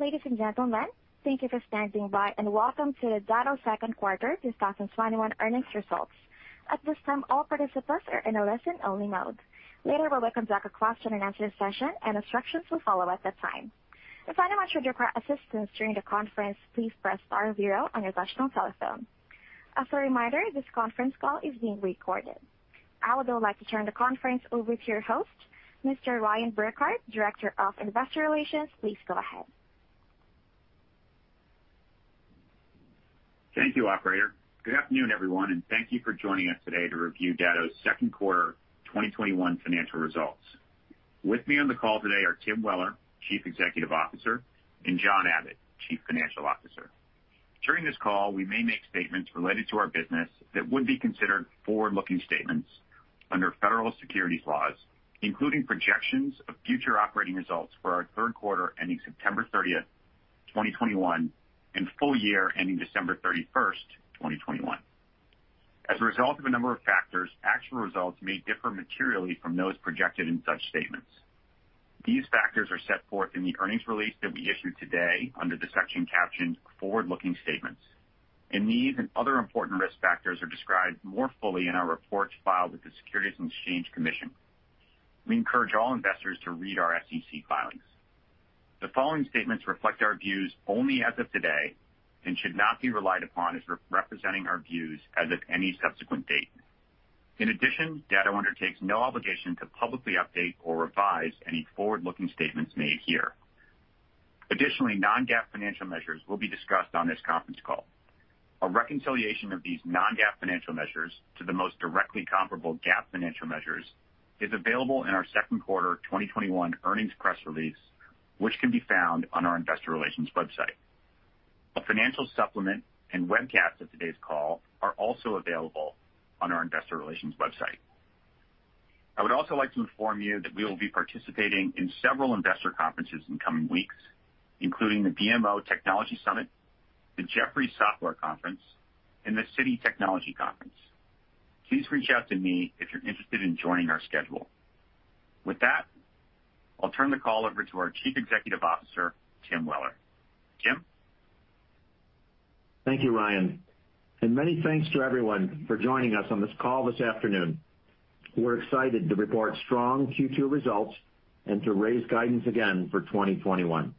Ladies and gentlemen, thank you for standing by and welcome to the Datto second quarter 2021 earnings results. At this time, all participants are in a listen-only mode. Later, we'll conduct a question-and-answer session. Instructions will follow at that time. If anyone should require assistance during the conference, please press star zero on your touch-tone telephone. As a reminder, this conference call is being recorded. I would now like to turn the conference over to your host, Mr. Ryan Burkart, Director of Investor Relations. Please go ahead. Thank you, operator. Good afternoon, everyone, and thank you for joining us today to review Datto's second quarter 2021 financial results. With me on the call today are Tim Weller, Chief Executive Officer, and John Abbot, Chief Financial Officer. During this call, we may make statements related to our business that would be considered forward-looking statements under federal securities laws, including projections of future operating results for our third quarter ending September 30th, 2021, and full year ending December 31st, 2021. As a result of a number of factors, actual results may differ materially from those projected in such statements. These factors are set forth in the earnings release that we issued today under the section captioned Forward-Looking Statements. These and other important risk factors are described more fully in our reports filed with the Securities and Exchange Commission. We encourage all investors to read our SEC filings. The following statements reflect our views only as of today and should not be relied upon as representing our views as of any subsequent date. In addition, Datto undertakes no obligation to publicly update or revise any forward-looking statements made here. Additionally, non-GAAP financial measures will be discussed on this conference call. A reconciliation of these non-GAAP financial measures to the most directly comparable GAAP financial measures is available in our second quarter 2021 earnings press release, which can be found on our investor relations website. A financial supplement and webcast of today's call are also available on our investor relations website. I would also like to inform you that we will be participating in several investor conferences in the coming weeks, including the BMO Technology Summit, the Jefferies Software Conference, and the Citi Technology Conference. Please reach out to me if you're interested in joining our schedule. With that, I'll turn the call over to our Chief Executive Officer, Tim Weller. Tim? Thank you, Ryan, and many thanks to everyone for joining us on this call this afternoon. We're excited to report strong Q2 results and to raise guidance again for 2021.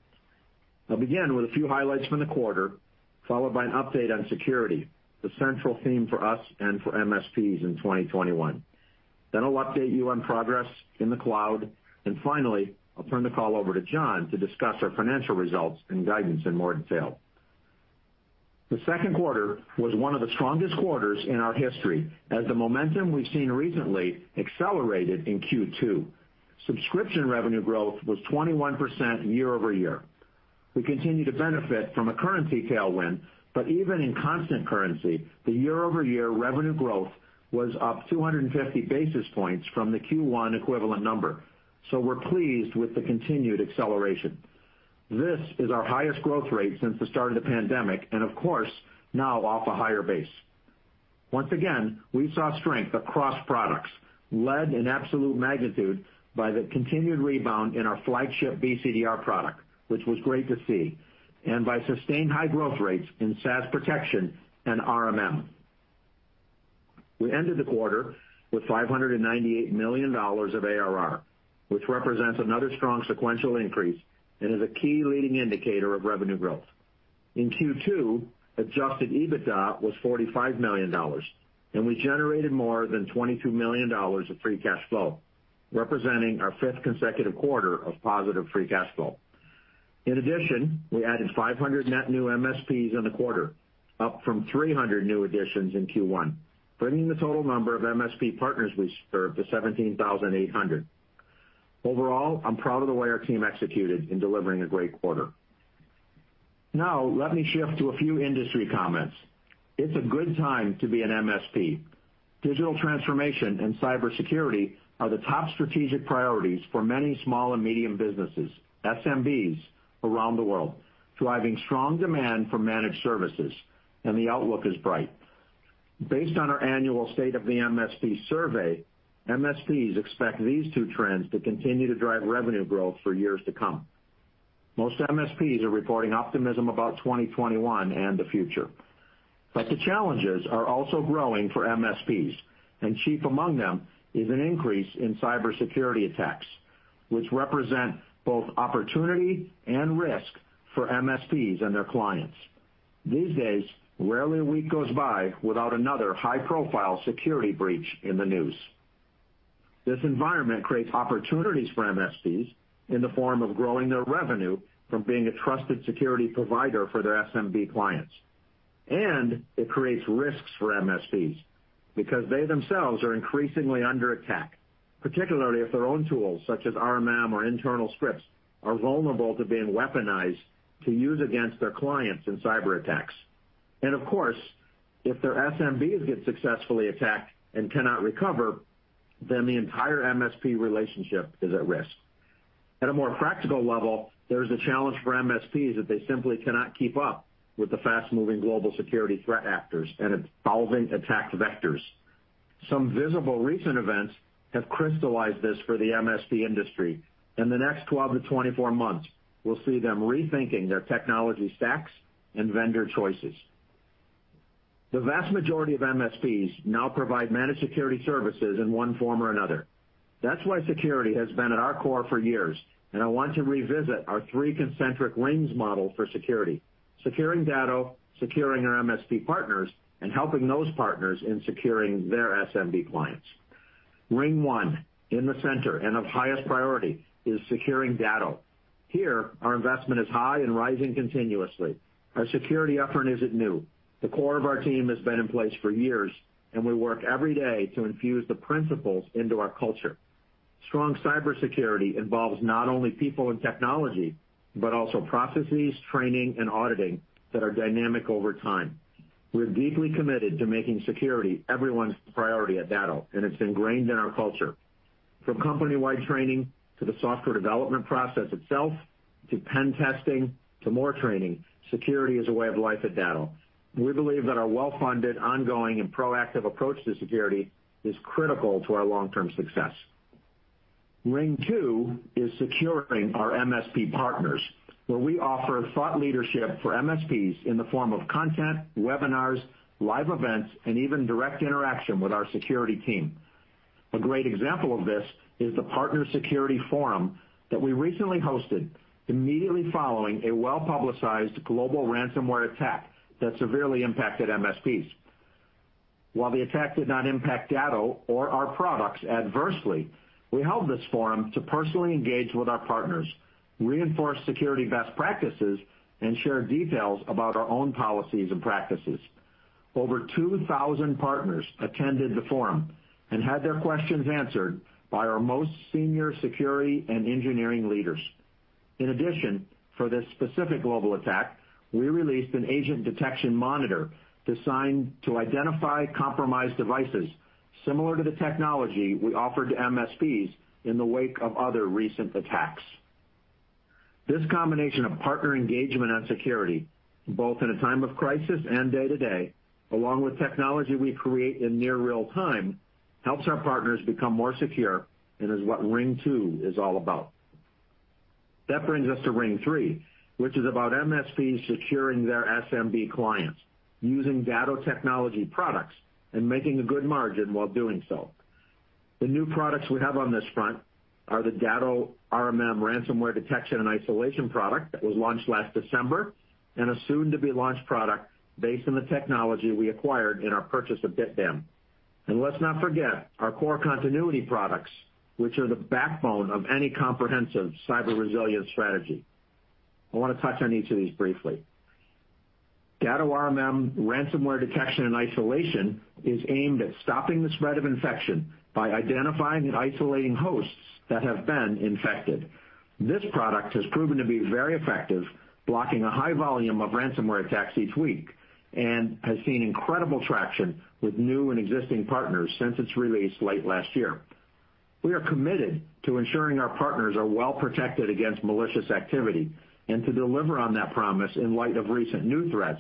I'll begin with a few highlights from the quarter, followed by an update on security, the central theme for us and for MSPs in 2021. I'll update you on progress in the cloud, and finally, I'll turn the call over to John to discuss our financial results and guidance in more detail. The second quarter was one of the strongest quarters in our history as the momentum we've seen recently accelerated in Q2. Subscription revenue growth was 21% year-over-year. We continue to benefit from a currency tailwind, but even in constant currency, the year-over-year revenue growth was up 250 basis points from the Q1 equivalent number. We're pleased with the continued acceleration. This is our highest growth rate since the start of the pandemic, and of course, now off a higher base. Once again, we saw strength across products, led in absolute magnitude by the continued rebound in our flagship BCDR product, which was great to see, and by sustained high growth rates in SaaS Protection and RMM. We ended the quarter with $598 million of ARR, which represents another strong sequential increase and is a key leading indicator of revenue growth. In Q2, adjusted EBITDA was $45 million, and we generated more than $22 million of free cash flow, representing our fifth consecutive quarter of positive free cash flow. In addition, we added 500 net new MSPs in the quarter, up from 300 new additions in Q1, bringing the total number of MSP partners we serve to 17,800. Overall, I'm proud of the way our team executed in delivering a great quarter. Now let me shift to a few industry comments. It's a good time to be an MSP. Digital transformation and cybersecurity are the top strategic priorities for many small and medium businesses, SMBs, around the world, driving strong demand for managed services, and the outlook is bright. Based on our annual State of the MSP survey, MSPs expect these two trends to continue to drive revenue growth for years to come. Most MSPs are reporting optimism about 2021 and the future. The challenges are also growing for MSPs, and chief among them is an increase in cybersecurity attacks, which represent both opportunity and risk for MSPs and their clients. These days, rarely a week goes by without another high-profile security breach in the news. This environment creates opportunities for MSPs in the form of growing their revenue from being a trusted security provider for their SMB clients. It creates risks for MSPs because they themselves are increasingly under attack, particularly if their own tools, such as RMM or internal scripts, are vulnerable to being weaponized to use against their clients in cyberattacks. Of course, if their SMBs get successfully attacked and cannot recover, then the entire MSP relationship is at risk. At a more practical level, there's a challenge for MSPs that they simply cannot keep up with the fast-moving global security threat actors and evolving attack vectors. Some visible recent events have crystallized this for the MSP industry. In the next 12-24 months, we'll see them rethinking their technology stacks and vendor choices. The vast majority of MSPs now provide managed security services in one form or another. That's why security has been at our core for years. I want to revisit our three concentric rings model for security, securing Datto, securing our MSP partners, and helping those partners in securing their SMB clients. Ring one, in the center and of highest priority, is securing Datto. Here, our investment is high and rising continuously. Our security effort isn't new. The core of our team has been in place for years. We work every day to infuse the principles into our culture. Strong cybersecurity involves not only people and technology, but also processes, training, and auditing that are dynamic over time. We're deeply committed to making security everyone's priority at Datto. It's ingrained in our culture. From company-wide training to the software development process itself, to pen testing, to more training, security is a way of life at Datto. We believe that our well-funded, ongoing, and proactive approach to security is critical to our long-term success. Ring two is securing our MSP partners, where we offer thought leadership for MSPs in the form of content, webinars, live events, and even direct interaction with our security team. A great example of this is the partner security forum that we recently hosted immediately following a well-publicized global ransomware attack that severely impacted MSPs. While the attack did not impact Datto or our products adversely, we held this forum to personally engage with our partners, reinforce security best practices, and share details about our own policies and practices. Over 2,000 partners attended the forum and had their questions answered by our most senior security and engineering leaders. In addition, for this specific global attack, we released an agent detection monitor designed to identify compromised devices similar to the technology we offered MSPs in the wake of other recent attacks. This combination of partner engagement on security, both in a time of crisis and day-to-day, along with technology we create in near real-time, helps our partners become more secure and is what ring two is all about. That brings us to ring three, which is about MSPs securing their SMB clients using Datto technology products and making a good margin while doing so. The new products we have on this front are the Datto RMM ransomware detection and isolation product that was launched last December, and a soon-to-be-launched product based on the technology we acquired in our purchase of BitDam. Let's not forget our core Continuity products, which are the backbone of any comprehensive cyber resilience strategy. I want to touch on each of these briefly. Datto RMM ransomware detection and isolation is aimed at stopping the spread of infection by identifying and isolating hosts that have been infected. This product has proven to be very effective, blocking a high volume of ransomware attacks each week, and has seen incredible traction with new and existing partners since its release late last year. We are committed to ensuring our partners are well protected against malicious activity, and to deliver on that promise in light of recent new threats,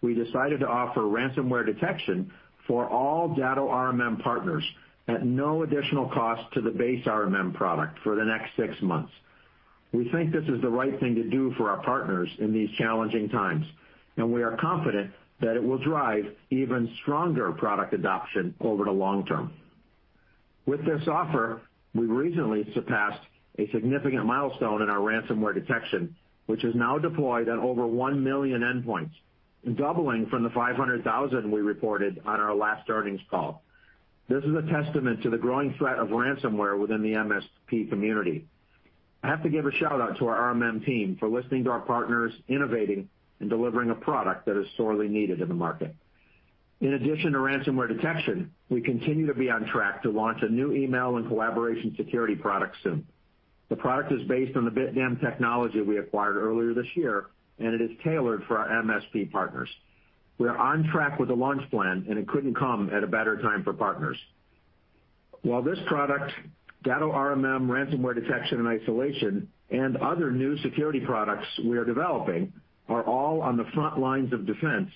we decided to offer ransomware detection for all Datto RMM partners at no additional cost to the base RMM product for the next six months. We think this is the right thing to do for our partners in these challenging times, and we are confident that it will drive even stronger product adoption over the long term. With this offer, we recently surpassed a significant milestone in our ransomware detection, which is now deployed on over 1 million endpoints, doubling from the 500,000 we reported on our last earnings call. This is a testament to the growing threat of ransomware within the MSP community. I have to give a shout-out to our RMM team for listening to our partners, innovating, and delivering a product that is sorely needed in the market. In addition to ransomware detection, we continue to be on track to launch a new email and collaboration security product soon. The product is based on the BitDam technology we acquired earlier this year, and it is tailored for our MSP partners. We're on track with the launch plan, and it couldn't come at a better time for partners. While this product, Datto RMM ransomware detection and isolation, and other new security products we are developing are all on the front lines of defense,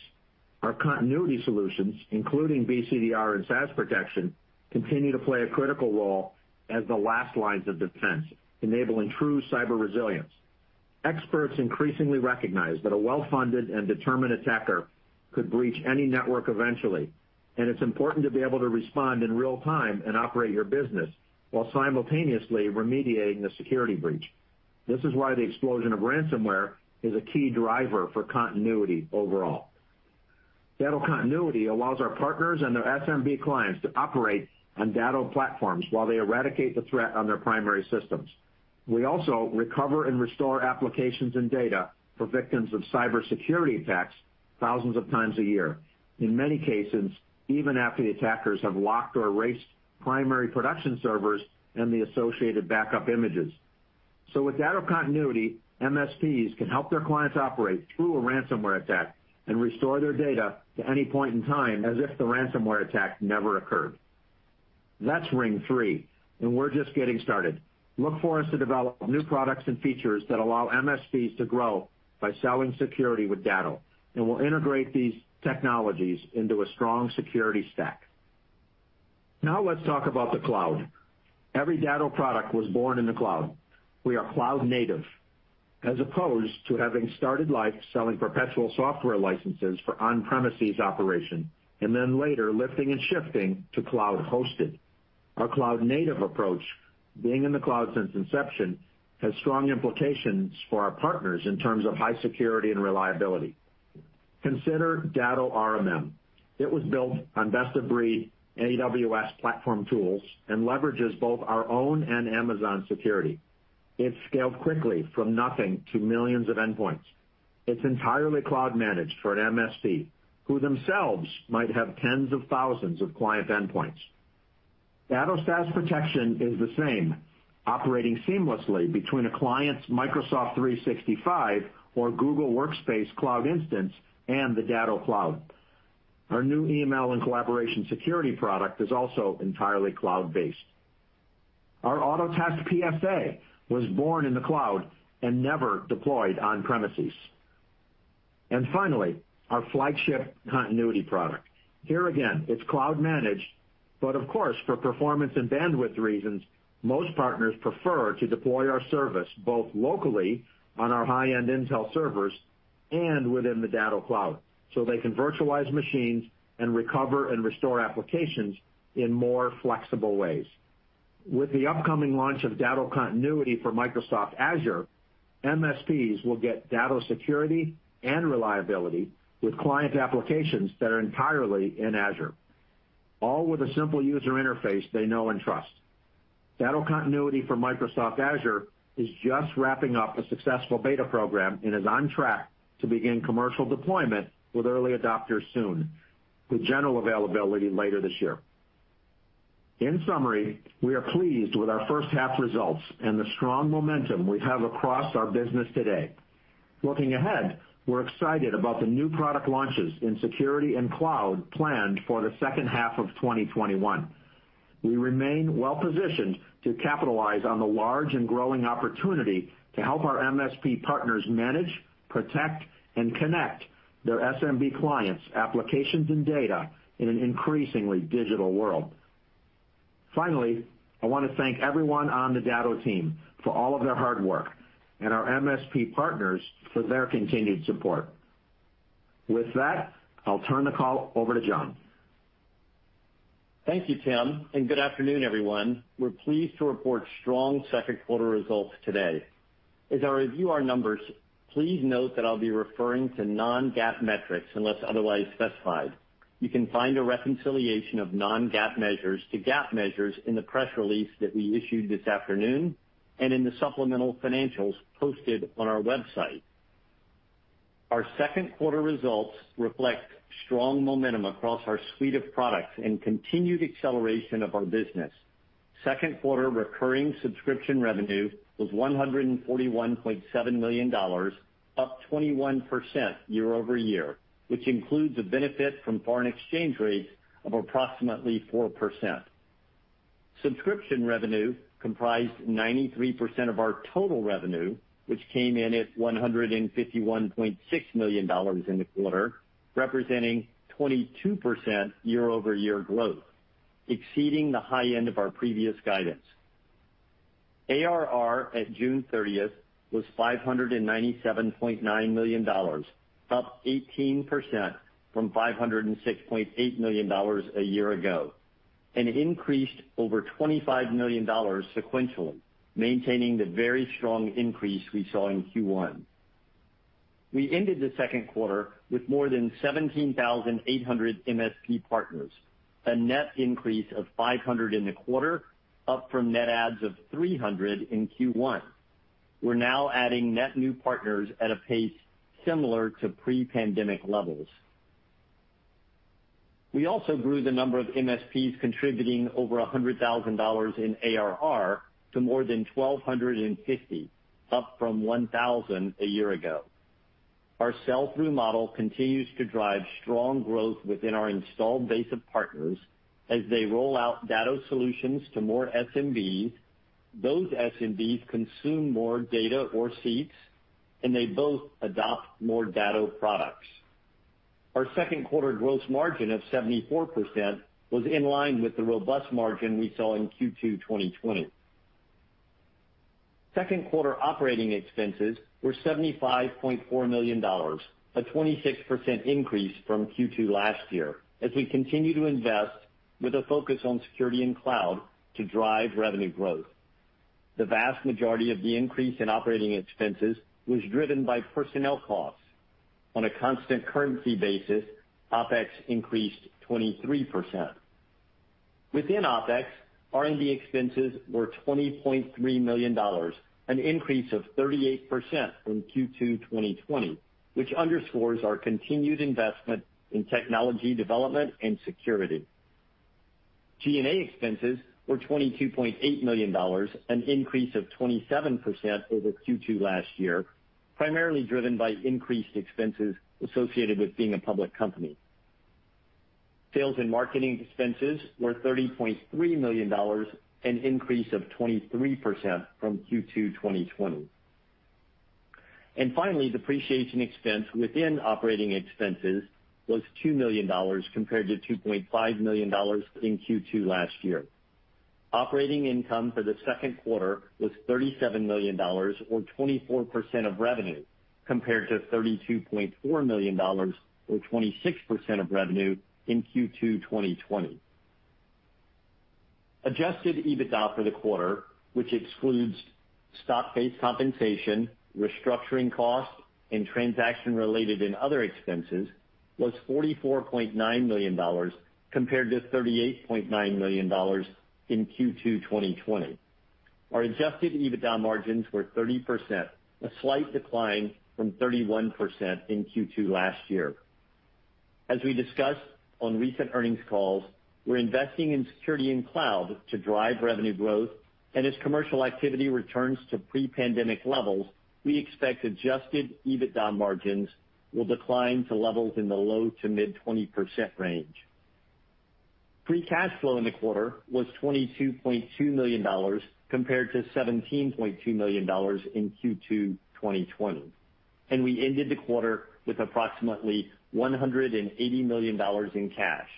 our continuity solutions, including BCDR and SaaS protection, continue to play a critical role as the last lines of defense, enabling true cyber resilience. Experts increasingly recognize that a well-funded and determined attacker could breach any network eventually. It's important to be able to respond in real time and operate your business while simultaneously remediating a security breach. This is why the explosion of ransomware is a key driver for continuity overall. Datto Continuity allows our partners and their SMB clients to operate on Datto platforms while they eradicate the threat on their primary systems. We also recover and restore applications and data for victims of cybersecurity attacks thousands of times a year. In many cases, even after the attackers have locked or erased primary production servers and the associated backup images. With Datto Continuity, MSPs can help their clients operate through a ransomware attack and restore their data to any point in time as if the ransomware attack never occurred. That's ring three, and we're just getting started. Look for us to develop new products and features that allow MSPs to grow by selling security with Datto, and we'll integrate these technologies into a strong security stack. Now let's talk about the cloud. Every Datto product was born in the cloud. We are cloud native, as opposed to having started life selling perpetual software licenses for on-premises operation, and then later lifting and shifting to cloud-hosted. Our cloud-native approach, being in the cloud since inception, has strong implications for our partners in terms of high security and reliability. Consider Datto RMM. It was built on best-of-breed AWS platform tools and leverages both our own and Amazon security. It scaled quickly from nothing to millions of endpoints. It's entirely cloud-managed for an MSP, who themselves might have tens of thousands of client endpoints. Datto SaaS Protection is the same, operating seamlessly between a client's Microsoft 365 or Google Workspace cloud instance and the Datto cloud. Our new email and collaboration security product is also entirely cloud-based. Our Autotask PSA was born in the cloud and never deployed on premises. Finally, our flagship Datto Continuity product. Here again, it's cloud managed, but of course, for performance and bandwidth reasons, most partners prefer to deploy our service both locally on our high-end Intel servers and within the Datto cloud, so they can virtualize machines and recover and restore applications in more flexible ways. With the upcoming launch of Datto Continuity for Microsoft Azure, MSPs will get data security and reliability with client applications that are entirely in Azure, all with a simple user interface they know and trust. Datto Continuity for Microsoft Azure is just wrapping up a successful beta program and is on track to begin commercial deployment with early adopters soon, with general availability later this year. In summary, we are pleased with our H1 results and the strong momentum we have across our business today. Looking ahead, we're excited about the new product launches in security and cloud planned for the H2 of 2021. We remain well-positioned to capitalize on the large and growing opportunity to help our MSP partners manage, protect, and connect their SMB clients' applications and data in an increasingly digital world. Finally, I want to thank everyone on the Datto team for all of their hard work and our MSP partners for their continued support. With that, I'll turn the call over to John. Thank you, Tim, and good afternoon, everyone. We're pleased to report strong second quarter results today. As I review our numbers, please note that I'll be referring to non-GAAP metrics unless otherwise specified. You can find a reconciliation of non-GAAP measures to GAAP measures in the press release that we issued this afternoon and in the supplemental financials posted on our website. Our second quarter results reflect strong momentum across our suite of products and continued acceleration of our business. Second quarter recurring subscription revenue was $141.7 million, up 21% year-over-year, which includes a benefit from foreign exchange rates of approximately 4%. Subscription revenue comprised 93% of our total revenue, which came in at $151.6 million in the quarter, representing 22% year-over-year growth, exceeding the high end of our previous guidance. ARR at June 30th, was $597.9 million, up 18% from $506.8 million a year ago, and increased over $25 million sequentially, maintaining the very strong increase we saw in Q1. We ended the second quarter with more than 17,800 MSP partners, a net increase of 500 in the quarter, up from net adds of 300 in Q1. We're now adding net new partners at a pace similar to pre-pandemic levels. We also grew the number of MSPs contributing over $100,000 in ARR to more than 1,250, up from 1,000 a year ago. Our sell-through model continues to drive strong growth within our installed base of partners as they roll out Datto solutions to more SMBs. Those SMBs consume more data or seats, and they both adopt more Datto products. Our second quarter gross margin of 74% was in line with the robust margin we saw in Q2 2020. Second quarter operating expenses were $75.4 million, a 26% increase from Q2 last year, as we continue to invest with a focus on security and cloud to drive revenue growth. The vast majority of the increase in operating expenses was driven by personnel costs. On a constant currency basis, OpEx increased 23%. Within OpEx, R&D expenses were $20.3 million, an increase of 38% from Q2 2020, which underscores our continued investment in technology development and security. G&A expenses were $22.8 million, an increase of 27% over Q2 last year. Primarily driven by increased expenses associated with being a public company. Sales and marketing expenses were $30.3 million, an increase of 23% from Q2 2020. Finally, depreciation expense within operating expenses was $2 million compared to $2.5 million in Q2 last year. Operating income for the second quarter was $37 million or 24% of revenue, compared to $32.4 million or 26% of revenue in Q2 2020. Adjusted EBITDA for the quarter, which excludes stock-based compensation, restructuring costs, and transaction-related and other expenses, was $44.9 million, compared to $38.9 million in Q2 2020. Our adjusted EBITDA margins were 30%, a slight decline from 31% in Q2 last year. As we discussed on recent earnings calls, we're investing in security and cloud to drive revenue growth, and as commercial activity returns to pre-pandemic levels, we expect adjusted EBITDA margins will decline to levels in the low to mid 20% range. Free cash flow in the quarter was $22.2 million, compared to $17.2 million in Q2 2020, and we ended the quarter with approximately $180 million in cash.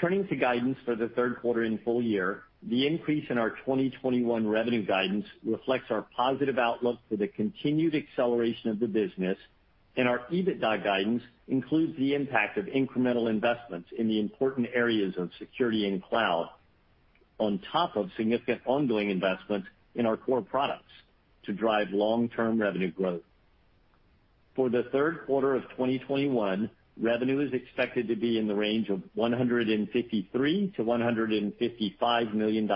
Turning to guidance for the third quarter and full year, the increase in our 2021 revenue guidance reflects our positive outlook for the continued acceleration of the business, and our EBITDA guidance includes the impact of incremental investments in the important areas of security and cloud, on top of significant ongoing investments in our core products to drive long-term revenue growth. For the third quarter of 2021, revenue is expected to be in the range of $153 million-$155 million.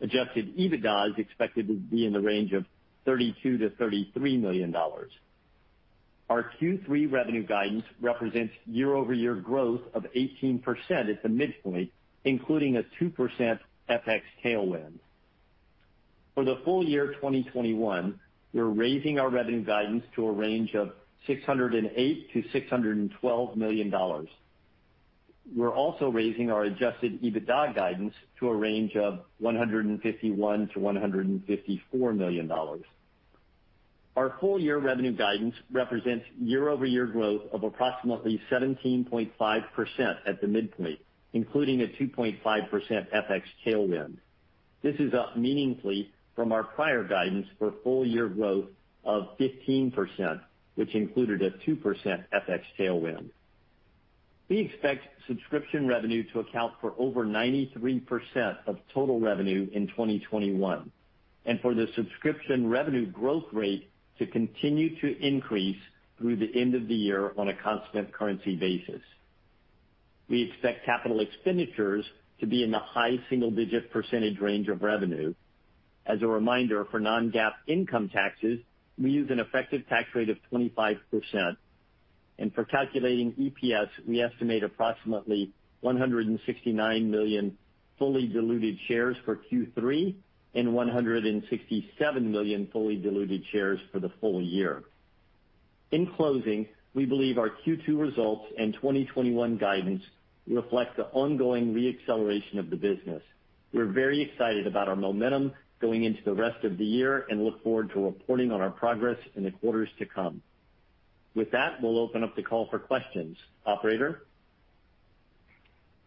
Adjusted EBITDA is expected to be in the range of $32 million-$33 million. Our Q3 revenue guidance represents year-over-year growth of 18% at the midpoint, including a 2% FX tailwind. For the full year 2021, we're raising our revenue guidance to a range of $608 million-$612 million. We're also raising our adjusted EBITDA guidance to a range of $151 million-$154 million. Our full-year revenue guidance represents year-over-year growth of approximately 17.5% at the midpoint, including a 2.5% FX tailwind. This is up meaningfully from our prior guidance for full-year growth of 15%, which included a 2% FX tailwind. We expect subscription revenue to account for over 93% of total revenue in 2021, and for the subscription revenue growth rate to continue to increase through the end of the year on a constant currency basis. We expect capital expenditures to be in the high single-digit percentage range of revenue. As a reminder, for non-GAAP income taxes, we use an effective tax rate of 25%, and for calculating EPS, we estimate approximately 169 million fully diluted shares for Q3 and 167 million fully diluted shares for the full year. In closing, we believe our Q2 results and 2021 guidance reflect the ongoing re-acceleration of the business. We're very excited about our momentum going into the rest of the year and look forward to reporting on our progress in the quarters to come. With that, we'll open up the call for questions. Operator?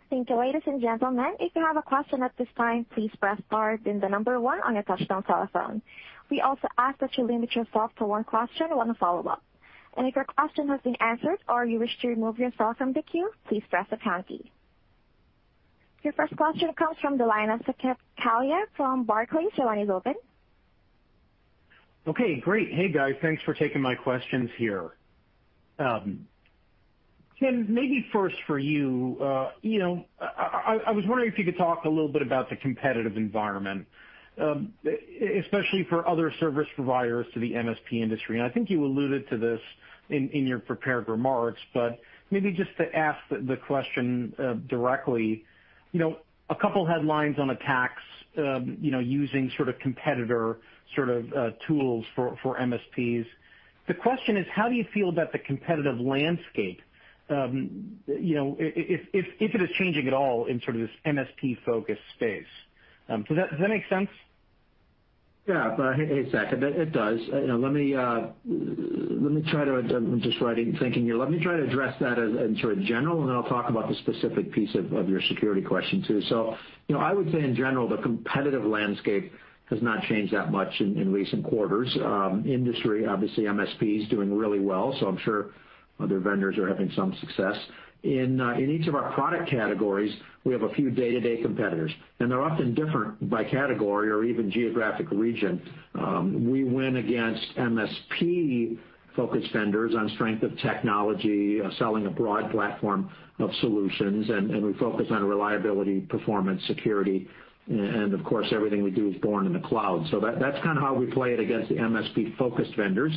Thank you, ladies and gentlemen. If you have a question at this time, please press star then number one on your touchtone telephone. We also ask that you limit yourself to one question, one follow-up. If your question has been answered or you wish to remove yourself from the queue, please press the pound key. Your first question comes from the line of Saket Kalia from Barclays. Your line is open. Okay, great. Hey, guys. Thanks for taking my questions here. Tim, maybe first for you. I was wondering if you could talk a little bit about the competitive environment, especially for other service providers to the MSP industry. I think you alluded to this in your prepared remarks, maybe just to ask the question directly. A couple headlines on attacks using competitor tools for MSPs. The question is, how do you feel about the competitive landscape, if it is changing at all in this MSP-focused space? Does that make sense? Hey, Saket. It does. I'm just writing, thinking here. Let me try to address that in general, and then I'll talk about the specific piece of your security question, too. I would say, in general, the competitive landscape has not changed that much in recent quarters. Industry, obviously, MSP is doing really well, so I'm sure other vendors are having some success. In each of our product categories, we have a few day-to-day competitors, and they're often different by category or even geographic region. We win against MSP-focused vendors on strength of technology, selling a broad platform of solutions, and we focus on reliability, performance, security, and of course, everything we do is born in the cloud. That's kind of how we play it against the MSP-focused vendors.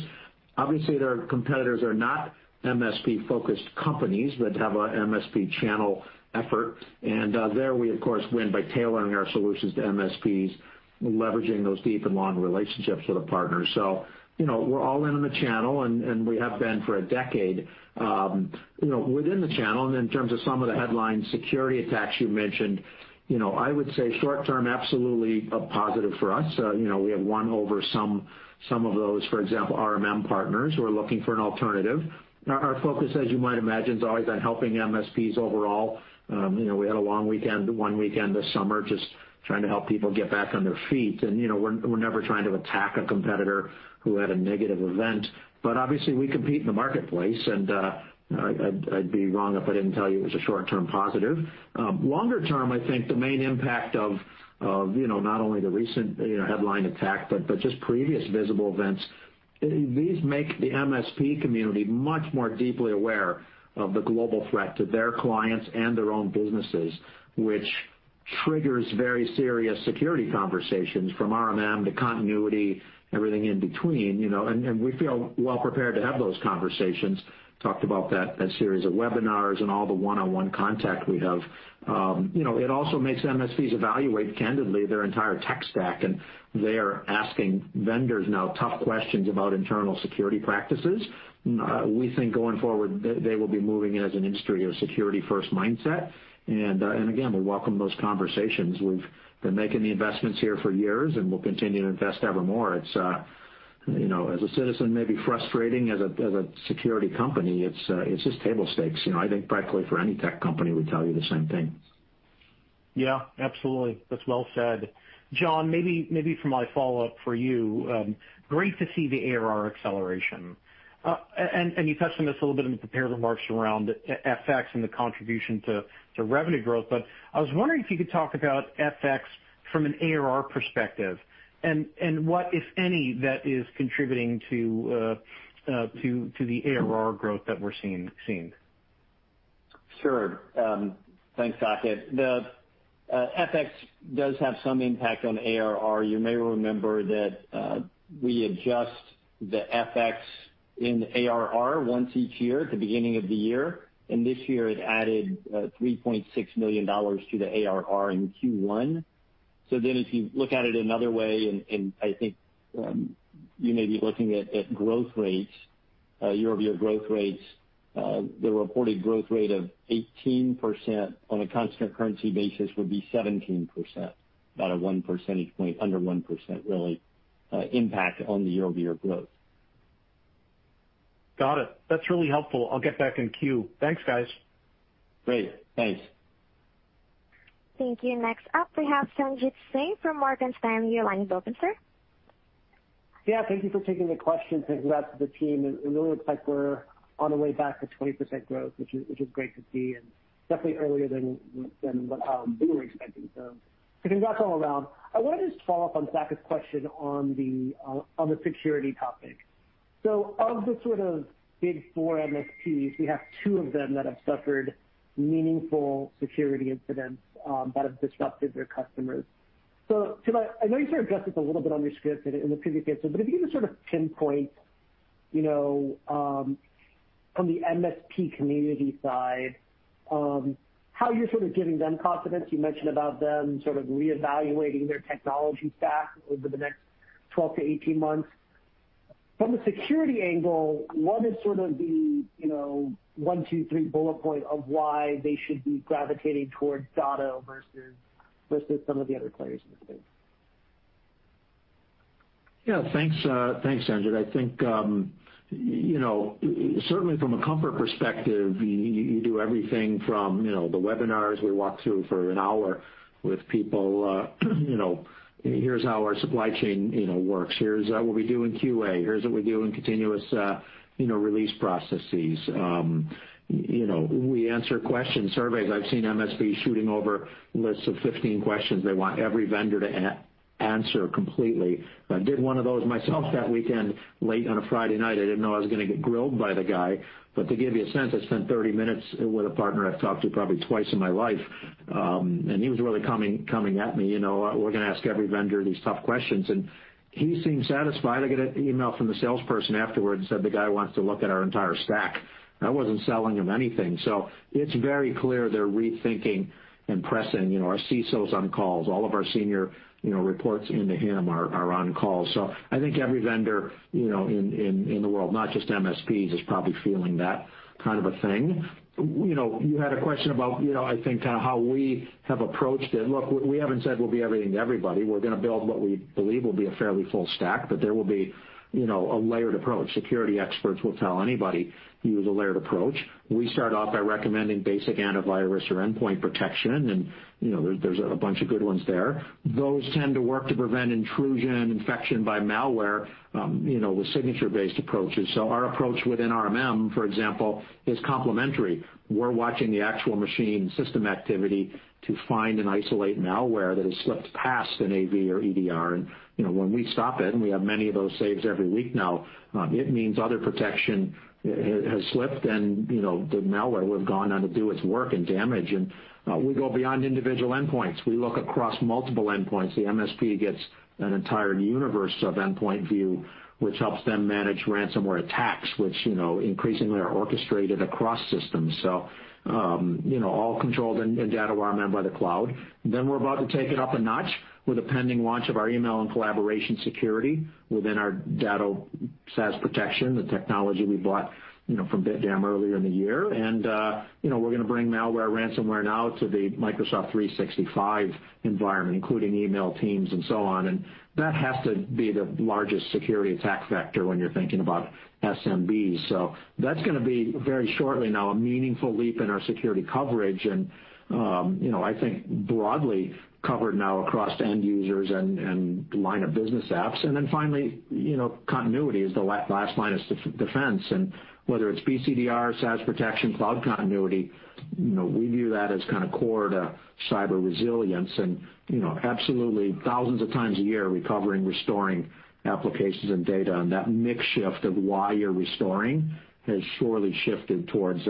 Obviously, their competitors are not MSP-focused companies that have an MSP channel effort. There we, of course, win by tailoring our solutions to MSPs, leveraging those deep and long relationships with our partners. We're all in on the channel, and we have been for a decade. Within the channel, and in terms of some of the headline security attacks you mentioned, I would say short term, absolutely a positive for us. We have won over some of those, for example, RMM partners who are looking for an alternative. Our focus, as you might imagine, has always been helping MSPs overall. We had a long weekend, one weekend this summer, just trying to help people get back on their feet. We're never trying to attack a competitor who had a negative event, but obviously, we compete in the marketplace, and I'd be wrong if I didn't tell you it was a short-term positive. Longer term, I think the main impact of not only the recent headline attack, but just previous visible events, these make the MSP community much more deeply aware of the global threat to their clients and their own businesses, which triggers very serious security conversations from RMM to continuity, everything in between. We feel well prepared to have those conversations. Talked about that at a series of webinars and all the one-on-one contact we have. It also makes MSPs evaluate candidly their entire tech stack, and they are asking vendors now tough questions about internal security practices. We think going forward, they will be moving as an industry, a security-first mindset. Again, we welcome those conversations. We've been making the investments here for years, and we'll continue to invest ever more. As a citizen, maybe frustrating. As a security company, it's just table stakes. I think practically for any tech company would tell you the same thing. Yeah, absolutely. That's well said. John, maybe for my follow-up for you, great to see the ARR acceleration. You touched on this a little bit in the prepared remarks around FX and the contribution to revenue growth. I was wondering if you could talk about FX from an ARR perspective, and what, if any, that is contributing to the ARR growth that we're seeing. Sure. Thanks, Saket. The FX does have some impact on ARR. You may remember that we adjust the FX in the ARR once each year at the beginning of the year, and this year it added $3.6 million to the ARR in Q1. If you look at it another way, and I think you may be looking at growth rates, year-over-year growth rates, the reported growth rate of 18% on a constant currency basis would be 17%, about a 1 percentage point, under 1%, really, impact on the year-over-year growth. Got it. That's really helpful. I'll get back in queue. Thanks, guys. Great. Thanks. Thank you. Next up, we have Sanjit Singh from Morgan Stanley. Your line is open, sir. Yeah, thank thank you for taking the question. Congrats to the team. It really looks like we're on the way back to 20% growth, which is great to see, and definitely earlier than what we were expecting. Congrats all around. I want to just follow up on Saket's question on the security topic. Of the sort of big four MSPs, we have two of them that have suffered meaningful security incidents that have disrupted their customers. Tim, I know you sort of addressed this a little bit on your script in the previous answer, but if you can sort of pinpoint, from the MSP community side, how you're sort of giving them confidence. You mentioned about them sort of reevaluating their technology stack over the next 12-18 months. From a security angle, what is sort of the one, two, three bullet point of why they should be gravitating towards Datto versus some of the other players in the space? Yeah. Thanks, Sanjit. I think, certainly from a comfort perspective, you do everything from the webinars. We walk through for an hour with people, here's how our supply chain works. Here's what we do in QA. Here's what we do in continuous release processes. We answer questions, surveys. I've seen MSPs shooting over lists of 15 questions they want every vendor to answer completely. I did one of those myself that weekend, late on a Friday night. I didn't know I was going to get grilled by the guy. To give you a sense, I spent 30 minutes with a partner I've talked to probably twice in my life, and he was really coming at me. We're going to ask every vendor these tough questions, and he seemed satisfied. I got an email from the salesperson afterwards, said the guy wants to look at our entire stack. I wasn't selling him anything. It's very clear they're rethinking and pressing our CSOs on calls. All of our senior reports into him are on calls. I think every vendor in the world, not just MSPs, is probably feeling that kind of a thing. You had a question about I think how we have approached it. Look, we haven't said we'll be everything to everybody. We're going to build what we believe will be a fairly full stack, but there will be a layered approach. Security experts will tell anybody, use a layered approach. We start off by recommending basic antivirus or endpoint protection, and there's a bunch of good ones there. Those tend to work to prevent intrusion, infection by malware with signature-based approaches. Our approach within RMM, for example, is complementary. We're watching the actual machine system activity to find and isolate malware that has slipped past an AV or EDR. When we stop it, and we have many of those saves every week now, it means other protection has slipped, and the malware would have gone on to do its work and damage. We go beyond individual endpoints. We look across multiple endpoints. The MSP gets an entire universe of endpoint view, which helps them manage ransomware attacks, which increasingly are orchestrated across systems. All controlled in Datto RMM by the cloud. We're about to take it up a notch with a pending launch of our email and collaboration security within our Datto SaaS Protection, the technology we bought from BitDam earlier in the year. We're going to bring malware, ransomware now to the Microsoft 365 environment, including email, Teams, and so on. That has to be the largest security attack vector when you're thinking about SMBs. That's going to be very shortly now a meaningful leap in our security coverage, and I think broadly covered now across end users and line of business apps. Finally, continuity is the last line of defense. Whether it's BCDR, SaaS Protection, cloud continuity, we view that as kind of core to cyber resilience, and absolutely thousands of times a year recovering, restoring applications and data. That mix shift of why you're restoring has surely shifted towards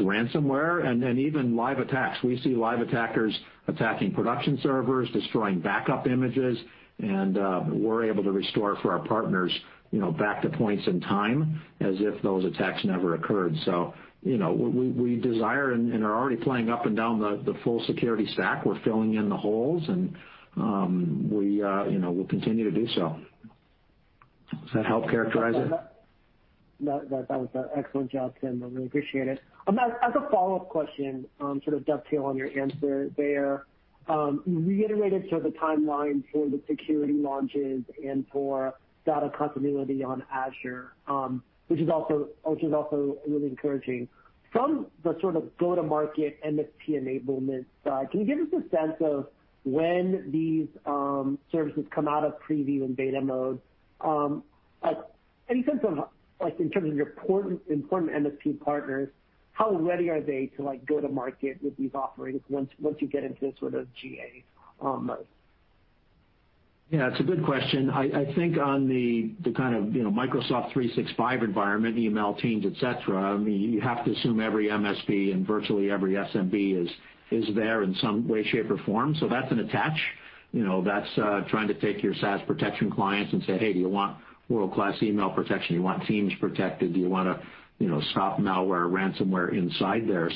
ransomware and even live attacks. We see live attackers attacking production servers, destroying backup images, and we're able to restore for our partners back to points in time as if those attacks never occurred. We desire and are already playing up and down the full security stack. We're filling in the holes, and we'll continue to do so. Does that help your question? No, that was an excellent job, Tim. I really appreciate it. As a follow-up question, sort of dovetail on your answer there. You reiterated the timeline for the security launches and for Datto Continuity on Azure, which is also really encouraging. From the sort of go-to-market MSP enablement side, can you give us a sense of when these services come out of preview and beta mode? Any sense of, in terms of your important MSP partners, how ready are they to go to market with these offerings once you get into the sort of GA mode? Yeah, it's a good question. I think on the kind of Microsoft 365 environment, email, Teams, et cetera, you have to assume every MSP and virtually every SMB is there in some way, shape, or form. That's an attach. That's trying to take your SaaS Protection clients and say, "Hey, do you want world-class email protection? Do you want Teams protected? Do you want to stop malware, ransomware inside there?"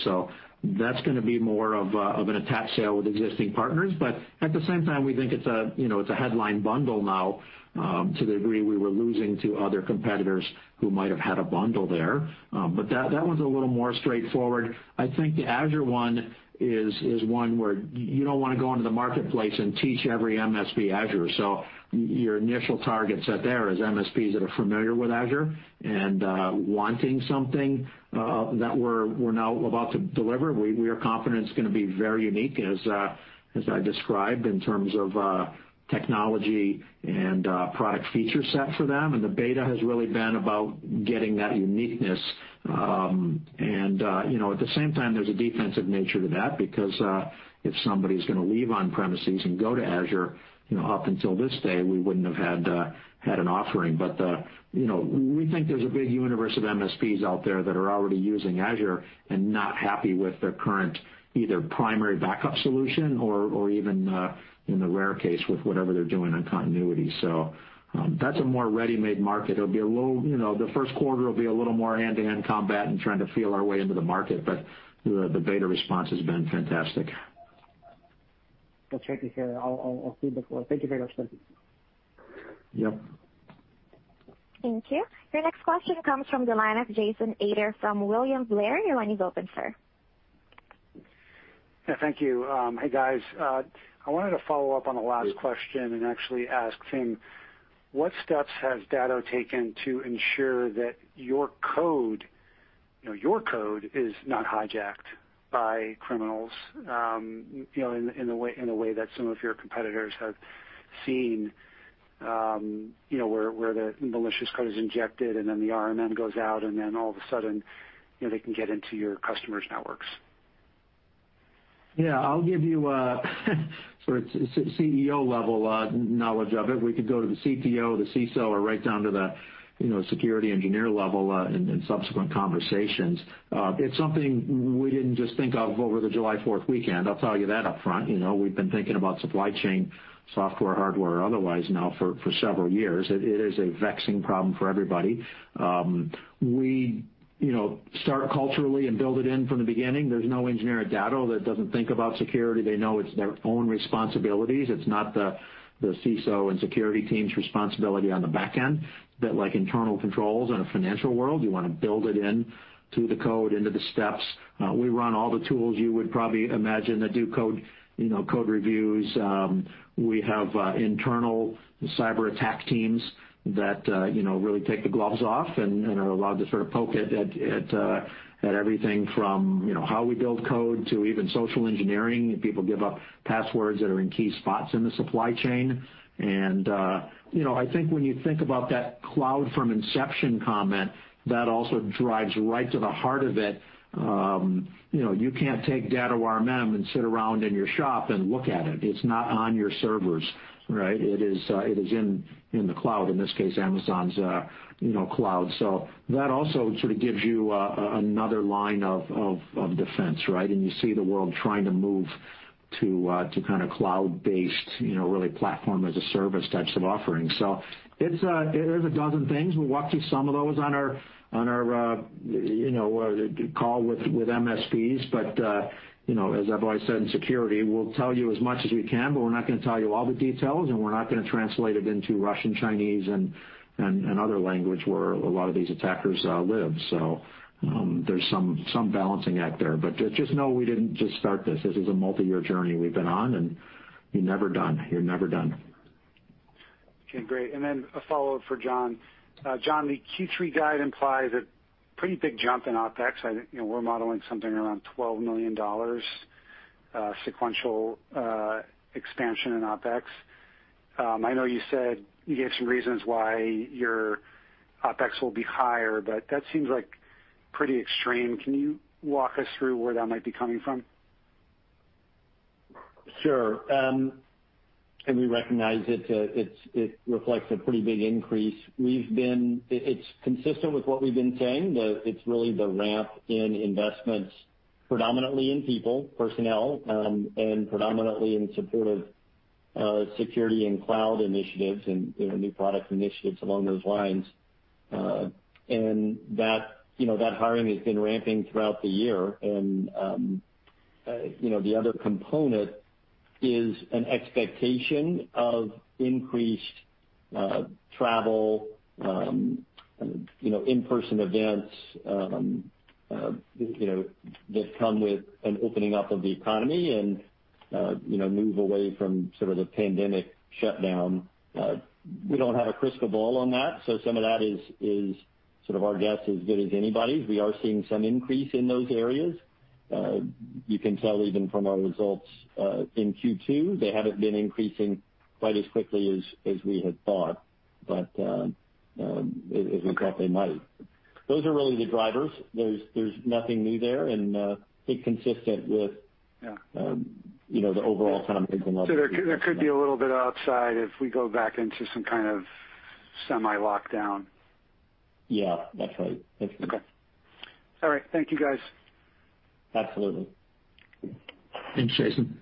That's going to be more of an attach sale with existing partners. At the same time, we think it's a headline bundle now, to the degree we were losing to other competitors who might have had a bundle there. That one's a little more straightforward. I think the Azure one is one where you don't want to go into the marketplace and teach every MSP Azure. Your initial targets out there is MSPs that are familiar with Azure and wanting something that we're now about to deliver. We are confident it's going to be very unique as I described in terms of technology and product feature set for them, and the beta has really been about getting that uniqueness. At the same time, there's a defensive nature to that because if somebody's going to leave on-premises and go to Azure, up until this day, we wouldn't have had an offering. We think there's a big universe of MSPs out there that are already using Azure and not happy with their current either primary backup solution or even, in the rare case, with whatever they're doing on continuity. That's a more ready-made market. The first quarter will be a little more hand-to-hand combat and trying to feel our way into the market. The beta response has been fantastic. That's great to hear. I'll see before. Thank you very much, Tim. Yep. Thank you. Your next question comes from the line of Jason Ader from William Blair. Your line is open, sir. Yeah, thank you. Hey, guys. I wanted to follow up on the last question and actually ask Tim, what steps has Datto taken to ensure that your code is not hijacked by criminals in a way that some of your competitors have seen, where the malicious code is injected and then the RMM goes out, and then all of a sudden, they can get into your customers' networks? Yeah, I'll give you a sort of CEO-level knowledge of it. We could go to the CTO, the CISO, or right down to the security engineer level in subsequent conversations. It's something we didn't just think of over the July 4th weekend, I'll tell you that upfront. We've been thinking about supply chain software, hardware, or otherwise now for several years. It is a vexing problem for everybody. We start culturally and build it in from the beginning. There's no engineer at Datto that doesn't think about security. They know it's their own responsibilities. It's not the CISO and security team's responsibility on the backend. Like internal controls in a financial world, you want to build it in to the code, into the steps. We run all the tools you would probably imagine that do code reviews. We have internal cyber attack teams that really take the gloves off and are allowed to sort of poke at everything from how we build code to even social engineering, if people give up passwords that are in key spots in the supply chain. I think when you think about that cloud from inception comment, that also drives right to the heart of it. You can't take Datto RMM and sit around in your shop and look at it. It's not on your servers, right? It is in the cloud, in this case, Amazon's cloud. That also sort of gives you another line of defense, right? You see the world trying to move to kind of cloud-based, really platform as a service types of offerings. It is a dozen things. We'll walk through some of those on our call with MSPs. As I've always said in security, we'll tell you as much as we can, but we're not going to tell you all the details, and we're not going to translate it into Russian, Chinese, and other language where a lot of these attackers live. There's some balancing act there. Just know we didn't just start this. This is a multi-year journey we've been on, and you're never done. Okay, great. A follow-up for John. John, the Q3 guide implies a pretty big jump in OpEx. We're modeling something around $12 million sequential expansion in OpEx. I know you gave some reasons why your OpEx will be higher, that seems pretty extreme. Can you walk us through where that might be coming from? Sure. We recognize it reflects a pretty big increase. It's consistent with what we've been saying, that it's really the ramp in investments predominantly in people, personnel, and predominantly in support of security and cloud initiatives and new product initiatives along those lines. That hiring has been ramping throughout the year. The other component is an expectation of increased travel, in-person events, that come with an opening up of the economy and move away from sort of the pandemic shutdown. We don't have a crystal ball on that, so some of that is sort of our guess as good as anybody's. We are seeing some increase in those areas. You can tell even from our results in Q2, they haven't been increasing quite as quickly as we had thought, but as we thought they might. Those are really the drivers. There's nothing new there, and I think. Yeah The overall trends and levels. There could be a little bit outside if we go back into some kind of semi-lockdown. Yeah, that's right. That's it. Okay. All right, thank you, guys. Absolutely. Thanks, Jason.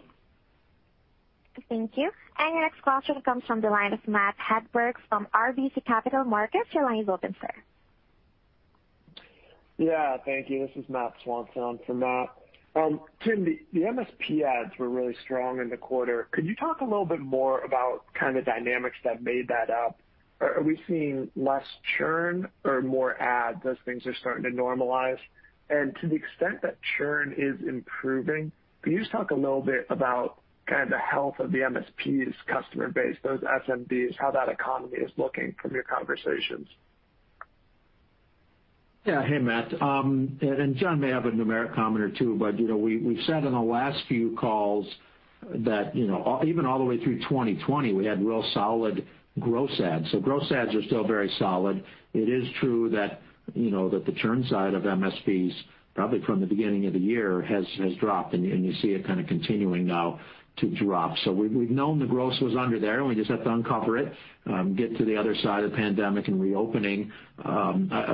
Thank you. Your next question comes from the line of Matt Hedberg from RBC Capital Markets. Your line is open, sir. Yeah, thank you. This is Matt Swanson for Matt. Tim, the MSP ads were really strong in the quarter. Could you talk a little bit more about kind of the dynamics that made that up? Are we seeing less churn or more ads as things are starting to normalize? To the extent that churn is improving, can you just talk a little bit about kind of the health of the MSP's customer base, those SMBs, how that economy is looking from your conversations? Yeah. Hey, Matt. John may have a numeric comment or two, but we've said in the last few calls that even all the way through 2020, we had real solid gross adds. Gross adds are still very solid. It is true that the churn side of MSPs, probably from the beginning of the year, has dropped, and you see it kind of continuing now to drop. We've known the gross was under there, and we just have to uncover it, get to the other side of the pandemic and reopening.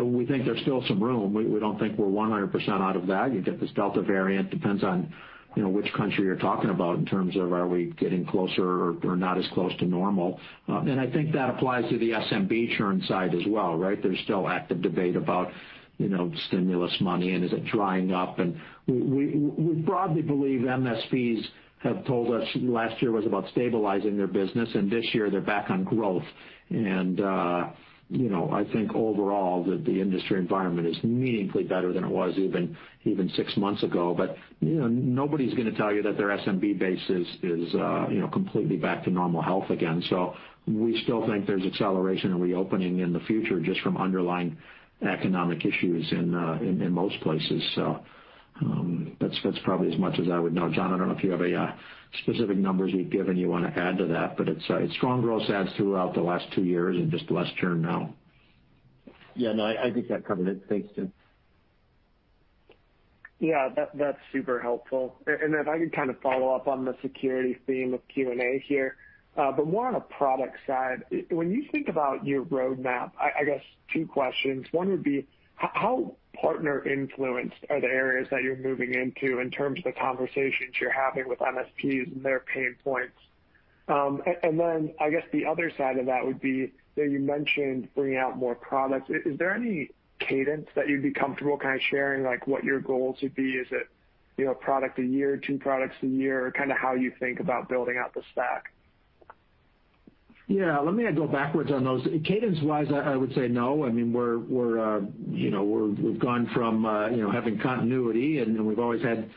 We think there's still some room. We don't think we're 100% out of that. You get this Delta variant, depends on which country you're talking about in terms of are we getting closer or not as close to normal. I think that applies to the SMB churn side as well, right? There's still active debate about stimulus money, and is it drying up. We broadly believe MSPs have told us last year was about stabilizing their business, and this year they're back on growth. I think overall that the industry environment is meaningfully better than it was even six months ago. Nobody's going to tell you that their SMB base is completely back to normal health again. We still think there's acceleration and reopening in the future just from underlying economic issues in most places. That's probably as much as I would know. John, I don't know if you have specific numbers you've given you want to add to that, but it's strong gross adds throughout the last two years and just less churn now. Yeah, no, I think that covered it. Thanks, Tim. Yeah, that's super helpful. If I could kind of follow up on the security theme of Q&A here, but more on a product side. When you think about your roadmap, I guess two questions. One would be, how partner influenced are the areas that you're moving into in terms of the conversations you're having with MSPs and their pain points? Then I guess the other side of that would be that you mentioned bringing out more products. Is there any cadence that you'd be comfortable kind of sharing, like what your goals would be? Is it one product a year, two products a year? Kind of how you think about building out the stack? Yeah, let me go backwards on those. Cadence-wise, I would say no. We've gone from having continuity, and then we've always had,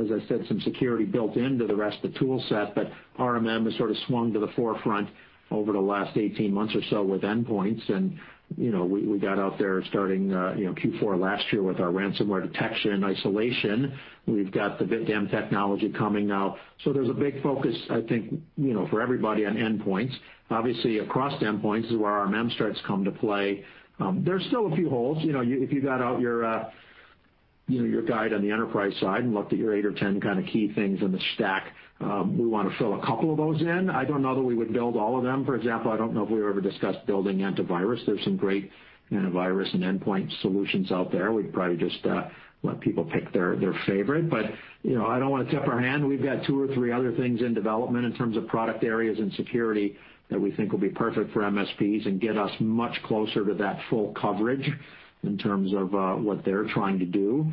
as I said, some security built into the rest of the tool set, but RMM has sort of swung to the forefront over the last 18 months or so with endpoints, and we got out there starting Q4 last year with our ransomware detection and isolation. We've got the BitDam technology coming now. There's a big focus, I think, for everybody on endpoints. Obviously, across endpoints is where RMM starts come to play. There's still a few holes. If you got out your guide on the enterprise side and looked at your eight or 10 kind of key things in the stack, we want to fill a couple of those in. I don't know that we would build all of them. For example, I don't know if we ever discussed building antivirus. There's some great antivirus and endpoint solutions out there. We'd probably just let people pick their favorite. I don't want to tip our hand. We've got two or three other things in development in terms of product areas and security that we think will be perfect for MSPs and get us much closer to that full coverage in terms of what they're trying to do.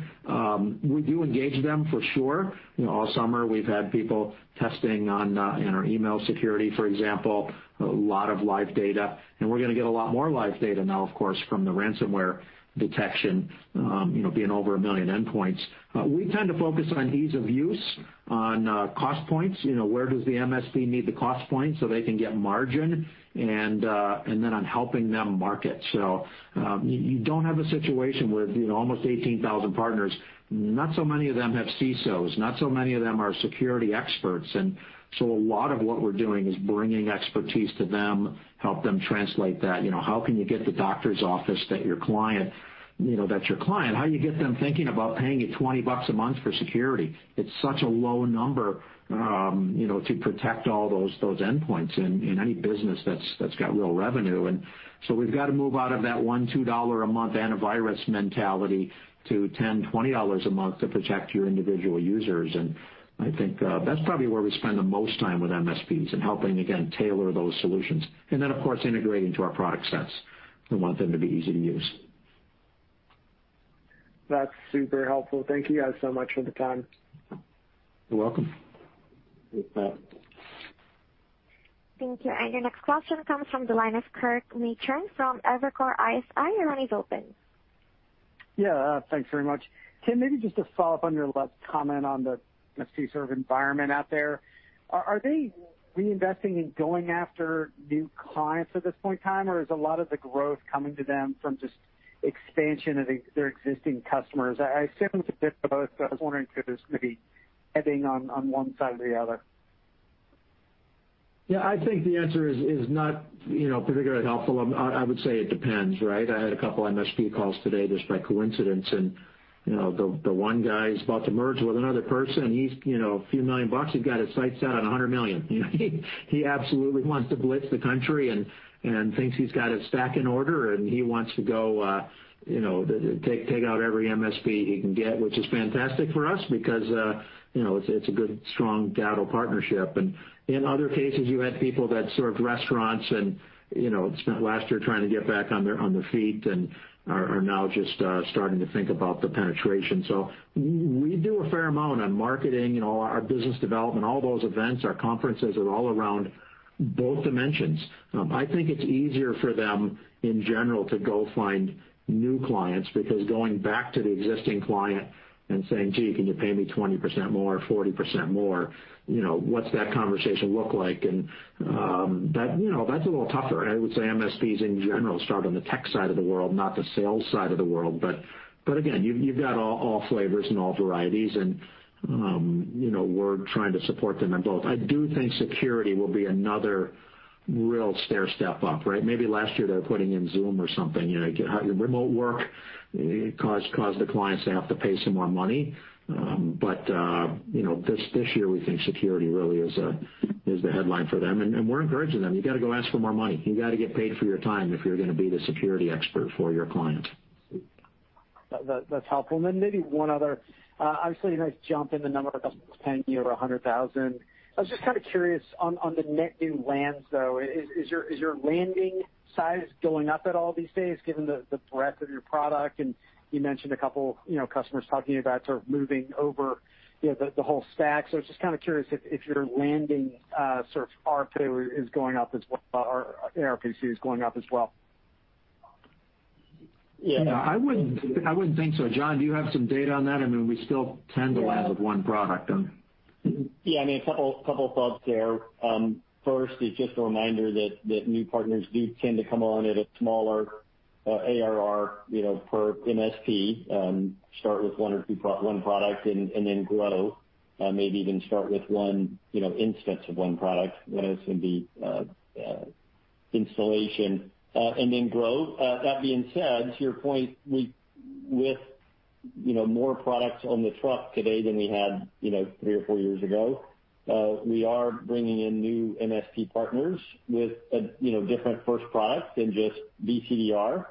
We do engage them, for sure. All summer, we've had people testing on our email security, for example, a lot of live data, and we're going to get a lot more live data now, of course, from the ransomware detection, being over a million endpoints. We tend to focus on ease of use, on cost points, where does the MSP need the cost point so they can get margin, and then helping them market. You don't have a situation with almost 18,000 partners. Not so many of them have CISOs. Not so many of them are security experts. A lot of what we're doing is bringing expertise to them, help them translate that. How can you get the doctor's office that's your client, how do you get them thinking about paying you $20 a month for security? It's such a low number to protect all those endpoints in any business that's got real revenue. We've got to move out of that $1-$2 a month antivirus mentality to $10-$20 a month to protect your individual users. I think that's probably where we spend the most time with MSPs and helping, again, tailor those solutions. Then, of course, integrating into our product sets. We want them to be easy to use. That's super helpful. Thank you guys so much for the time. You're welcome. Thanks, Matt. Thank you. Your next question comes from the line of Kirk Materne from Evercore ISI. Your line is open. Yeah. Thanks very much. Tim, maybe just to follow up on your last comment on the MSP sort of environment out there, are they reinvesting in going after new clients at this point in time, or is a lot of the growth coming to them from just expansion of their existing customers? I assume it's a bit of both, but I was wondering if it was maybe heavy on one side or the other. Yeah, I think the answer is not particularly helpful. I would say it depends, right? I had a couple MSP calls today just by coincidence, and the one guy's about to merge with another person, and he's a few million dollars. He's got his sights set on $100 million. He absolutely wants to blitz the country and thinks he's got his stack in order, and he wants to go take out every MSP he can get, which is fantastic for us because it's a good, strong Datto partnership. In other cases, you had people that served restaurants and spent last year trying to get back on their feet and are now just starting to think about the penetration. We do a fair amount on marketing, our business development, all those events. Our conferences are all around both dimensions. I think it's easier for them in general to go find new clients because going back to the existing client and saying, "Gee, can you pay me 20% more, 40% more?" What's that conversation look like? That's a little tougher. I would say MSPs in general start on the tech side of the world, not the sales side of the world. Again, you've got all flavors and all varieties, and we're trying to support them in both. I do think security will be another real stairstep up, right? Maybe last year they were putting in Zoom or something. You have your remote work. It caused the clients to have to pay some more money. This year, we think security really is the headline for them, and we're encouraging them. You got to go ask for more money. You got to get paid for your time if you're going to be the security expert for your client. That's helpful. Maybe one other. Obviously, you guys jumped in the number of customers from 10 to over 100,000. I was just kind of curious on the net new lands, though. Is your landing size going up at all these days given the breadth of your product? You mentioned a couple customers talking about sort of moving over the whole stack. I was just kind of curious if your landing sort of ARPU is going up as well, or ARPC is going up as well. Yeah, I wouldn't think so. John, do you have some data on that? I mean, we still tend to land with one product. Yeah, two thoughts there. First, it's just a reminder that new partners do tend to come on at a smaller ARR per MSP, start with one product, and then grow. Maybe even start with one instance of one product, whether it's going to be installation, then grow. That being said, to your point, with more products on the truck today than we had three or four years ago, we are bringing in new MSP partners with a different first product than just BCDR.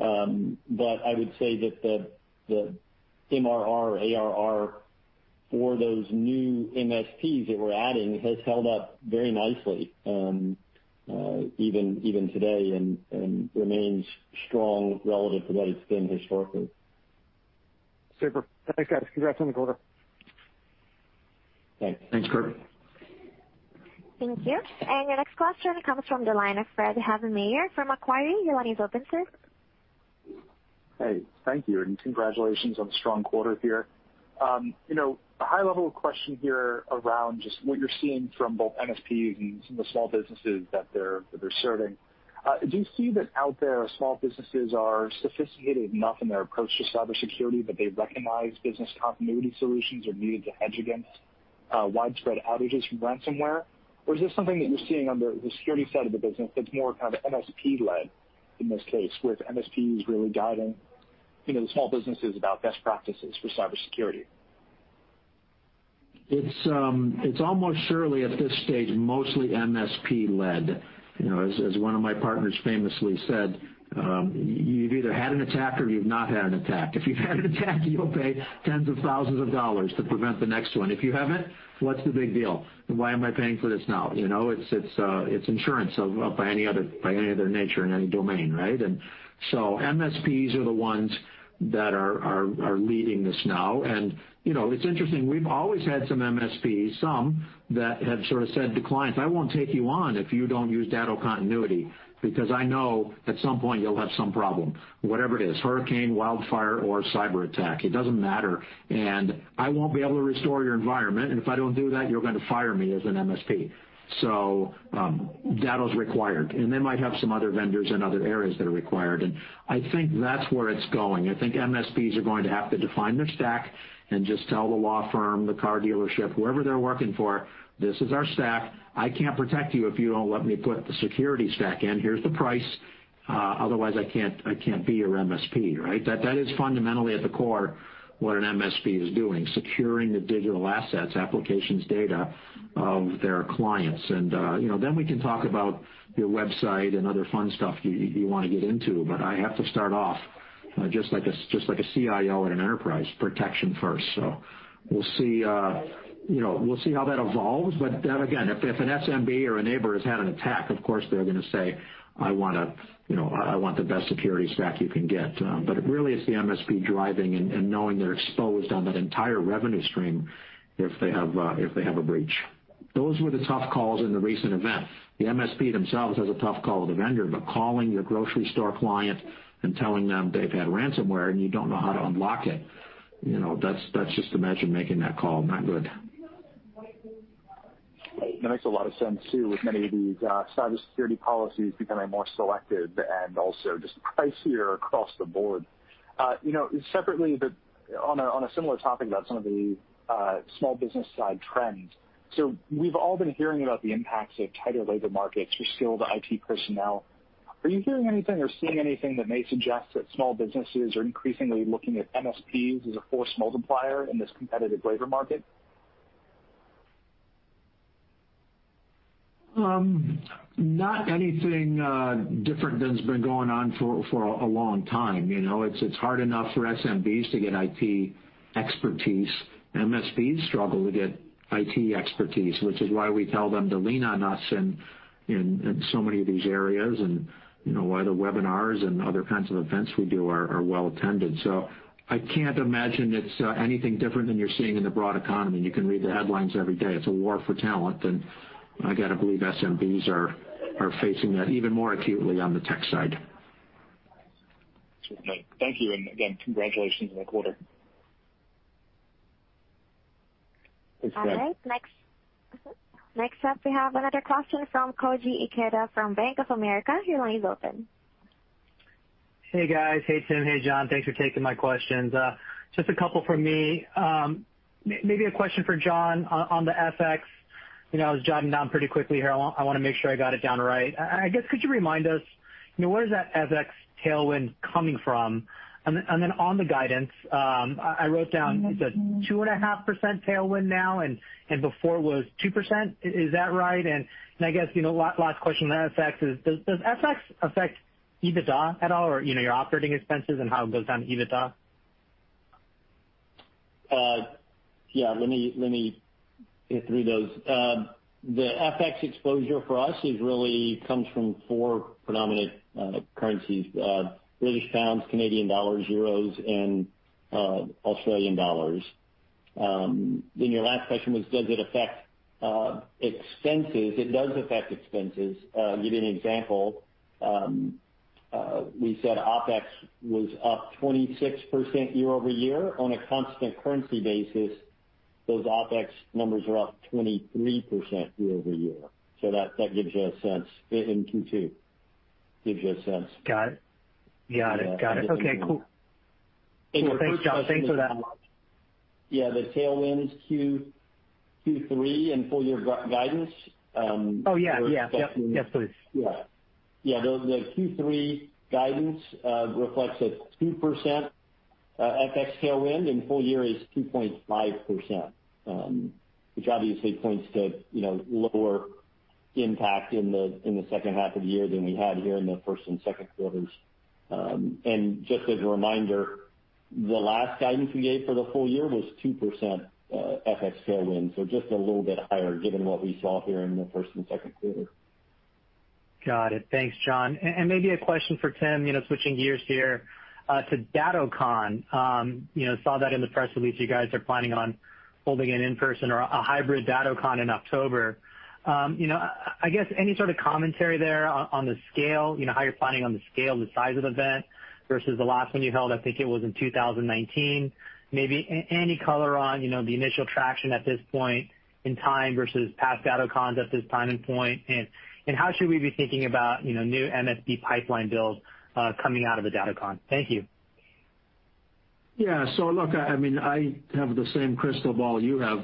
I would say that the MRR, ARR for those new MSPs that we're adding has held up very nicely, even today, and remains strong relative to what it's been historically. Super. Thanks, guys. Congrats on the quarter. Thanks. Thanks, Kirk. Thank you. Your next question comes from the line of Fred Havemeyer from Macquarie. Your line is open, sir. Hey, thank you, congratulations on the strong quarter here. A high-level question here around just what you're seeing from both MSPs and some of the small businesses that they're serving. Do you see that out there small businesses are sophisticated enough in their approach to cybersecurity that they recognize business continuity solutions are needed to hedge against widespread outages from ransomware? Or is this something that you're seeing on the security side of the business that's more kind of MSP-led in this case, with MSPs really guiding the small businesses about best practices for cybersecurity? It's almost surely at this stage, mostly MSP-led. As one of my partners famously said, "You've either had an attack or you've not had an attack. If you've had an attack, you'll pay tens of thousands of dollars to prevent the next one. If you haven't, what's the big deal? Why am I paying for this now?" It's insurance by any other nature in any domain, right? MSPs are the ones that are leading this now. It's interesting. We've always had some MSPs, some that have sort of said to clients, "I won't take you on if you don't use Datto Continuity, because I know at some point you'll have some problem, whatever it is, hurricane, wildfire, or cyber attack. It doesn't matter, and I won't be able to restore your environment. If I don't do that, you're going to fire me as an MSP. Datto's required. They might have some other vendors in other areas that are required. I think that's where it's going. I think MSPs are going to have to define their stack and just tell the law firm, the car dealership, whoever they're working for, "This is our stack. I can't protect you if you don't let me put the security stack in. Here's the price. Otherwise, I can't be your MSP," right? That is fundamentally at the core what an MSP is doing, securing the digital assets, applications, data of their clients. Then we can talk about your website and other fun stuff you want to get into. I have to start off just like a CIO at an enterprise, protection first. We'll see how that evolves. Again, if an SMB or a neighbor has had an attack, of course, they're going to say, "I want the best securities stack you can get." Really it's the MSP driving and knowing they're exposed on that entire revenue stream if they have a breach. Those were the tough calls in the recent event. The MSP themselves has a tough call with the vendor, but calling your grocery store client and telling them they've had ransomware and you don't know how to unlock it, just imagine making that call. Not good. That makes a lot of sense, too, with many of these cybersecurity policies becoming more selective and also just pricier across the board. Separately, on a similar topic about some of the small business side trends. We've all been hearing about the impacts of tighter labor markets for skilled IT personnel. Are you hearing anything or seeing anything that may suggest that small businesses are increasingly looking at MSPs as a force multiplier in this competitive labor market? Not anything different than has been going on for a long time. It's hard enough for SMBs to get IT expertise. MSPs struggle to get IT expertise, which is why we tell them to lean on us in so many of these areas, and why the webinars and other kinds of events we do are well-attended. I can't imagine it's anything different than you're seeing in the broad economy. You can read the headlines every day. It's a war for talent, and I got to believe SMBs are facing that even more acutely on the tech side. Thank you. Again, congratulations on the quarter. Thanks, Fred. All right. Next up, we have another question from Koji Ikeda from Bank of America. Your line is open. Hey, guys. Hey, Tim. Hey, John. Thanks for taking my questions. Just a couple from me. Maybe a question for John on the FX. I was jotting down pretty quickly here. I want to make sure I got it down right. I guess, could you remind us, where is that FX tailwind coming from? On the guidance, I wrote down it's a 2.5% tailwind now, and before it was 2%. Is that right? I guess, last question on FX is, does FX affect EBITDA at all, or your operating expenses and how it goes down to EBITDA? Let me get through those. The FX exposure for us really comes from four predominant currencies: British pounds, Canadian dollars, euros, and Australian dollars. Your last question was, does it affect expenses. It does affect expenses. I'll give you an example. We said OpEx was up 26% year-over-year. On a constant currency basis, those OpEx numbers are up 23% year-over-year. That gives you a sense, in Q2, gives you a sense. Got it. Okay, cool. Thanks, John. Thanks for that. Yeah. The tailwinds Q3 and full-year guidance. Oh, yeah. Yes, please. Yeah. The Q3 guidance reflects a 2% FX tailwind, and full year is 2.5%, which obviously points to lower impact in the second half of the year than we had here in the first and second quarters. Just as a reminder, the last guidance we gave for the full year was 2% FX tailwind, so just a little bit higher given what we saw here in the first and second quarter. Got it. Thanks, John. Maybe a question for Tim, switching gears here, to DattoCon. Saw that in the press release, you guys are planning on holding an in-person or a hybrid DattoCon in October. I guess any sort of commentary there on the scale, how you're planning on the scale and the size of event versus the last one you held, I think it was in 2019. Maybe any color on the initial traction at this point in time versus past DattoCons at this time and point? How should we be thinking about new MSP pipeline build coming out of a DattoCon? Thank you. Yeah. Look, I have the same crystal ball you have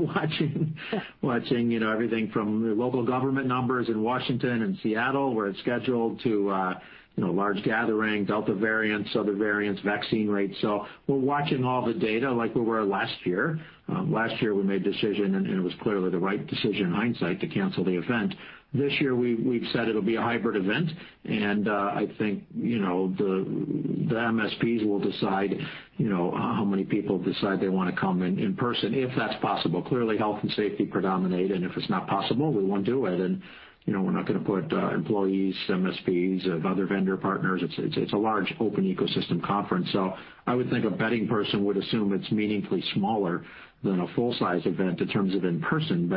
watching everything from the local government numbers in Washington and Seattle, where it's scheduled to large gathering, Delta variants, other variants, vaccine rates. Last year, we made a decision, and it was clearly the right decision in hindsight to cancel the event. This year, we've said it'll be a hybrid event, and I think the MSPs will decide how many people decide they want to come in person, if that's possible. Clearly, health and safety predominate, and if it's not possible, we won't do it. We're not going to put employees, MSPs of other vendor partners. It's a large open ecosystem conference. I would think a betting person would assume it's meaningfully smaller than a full-size event in terms of in-person.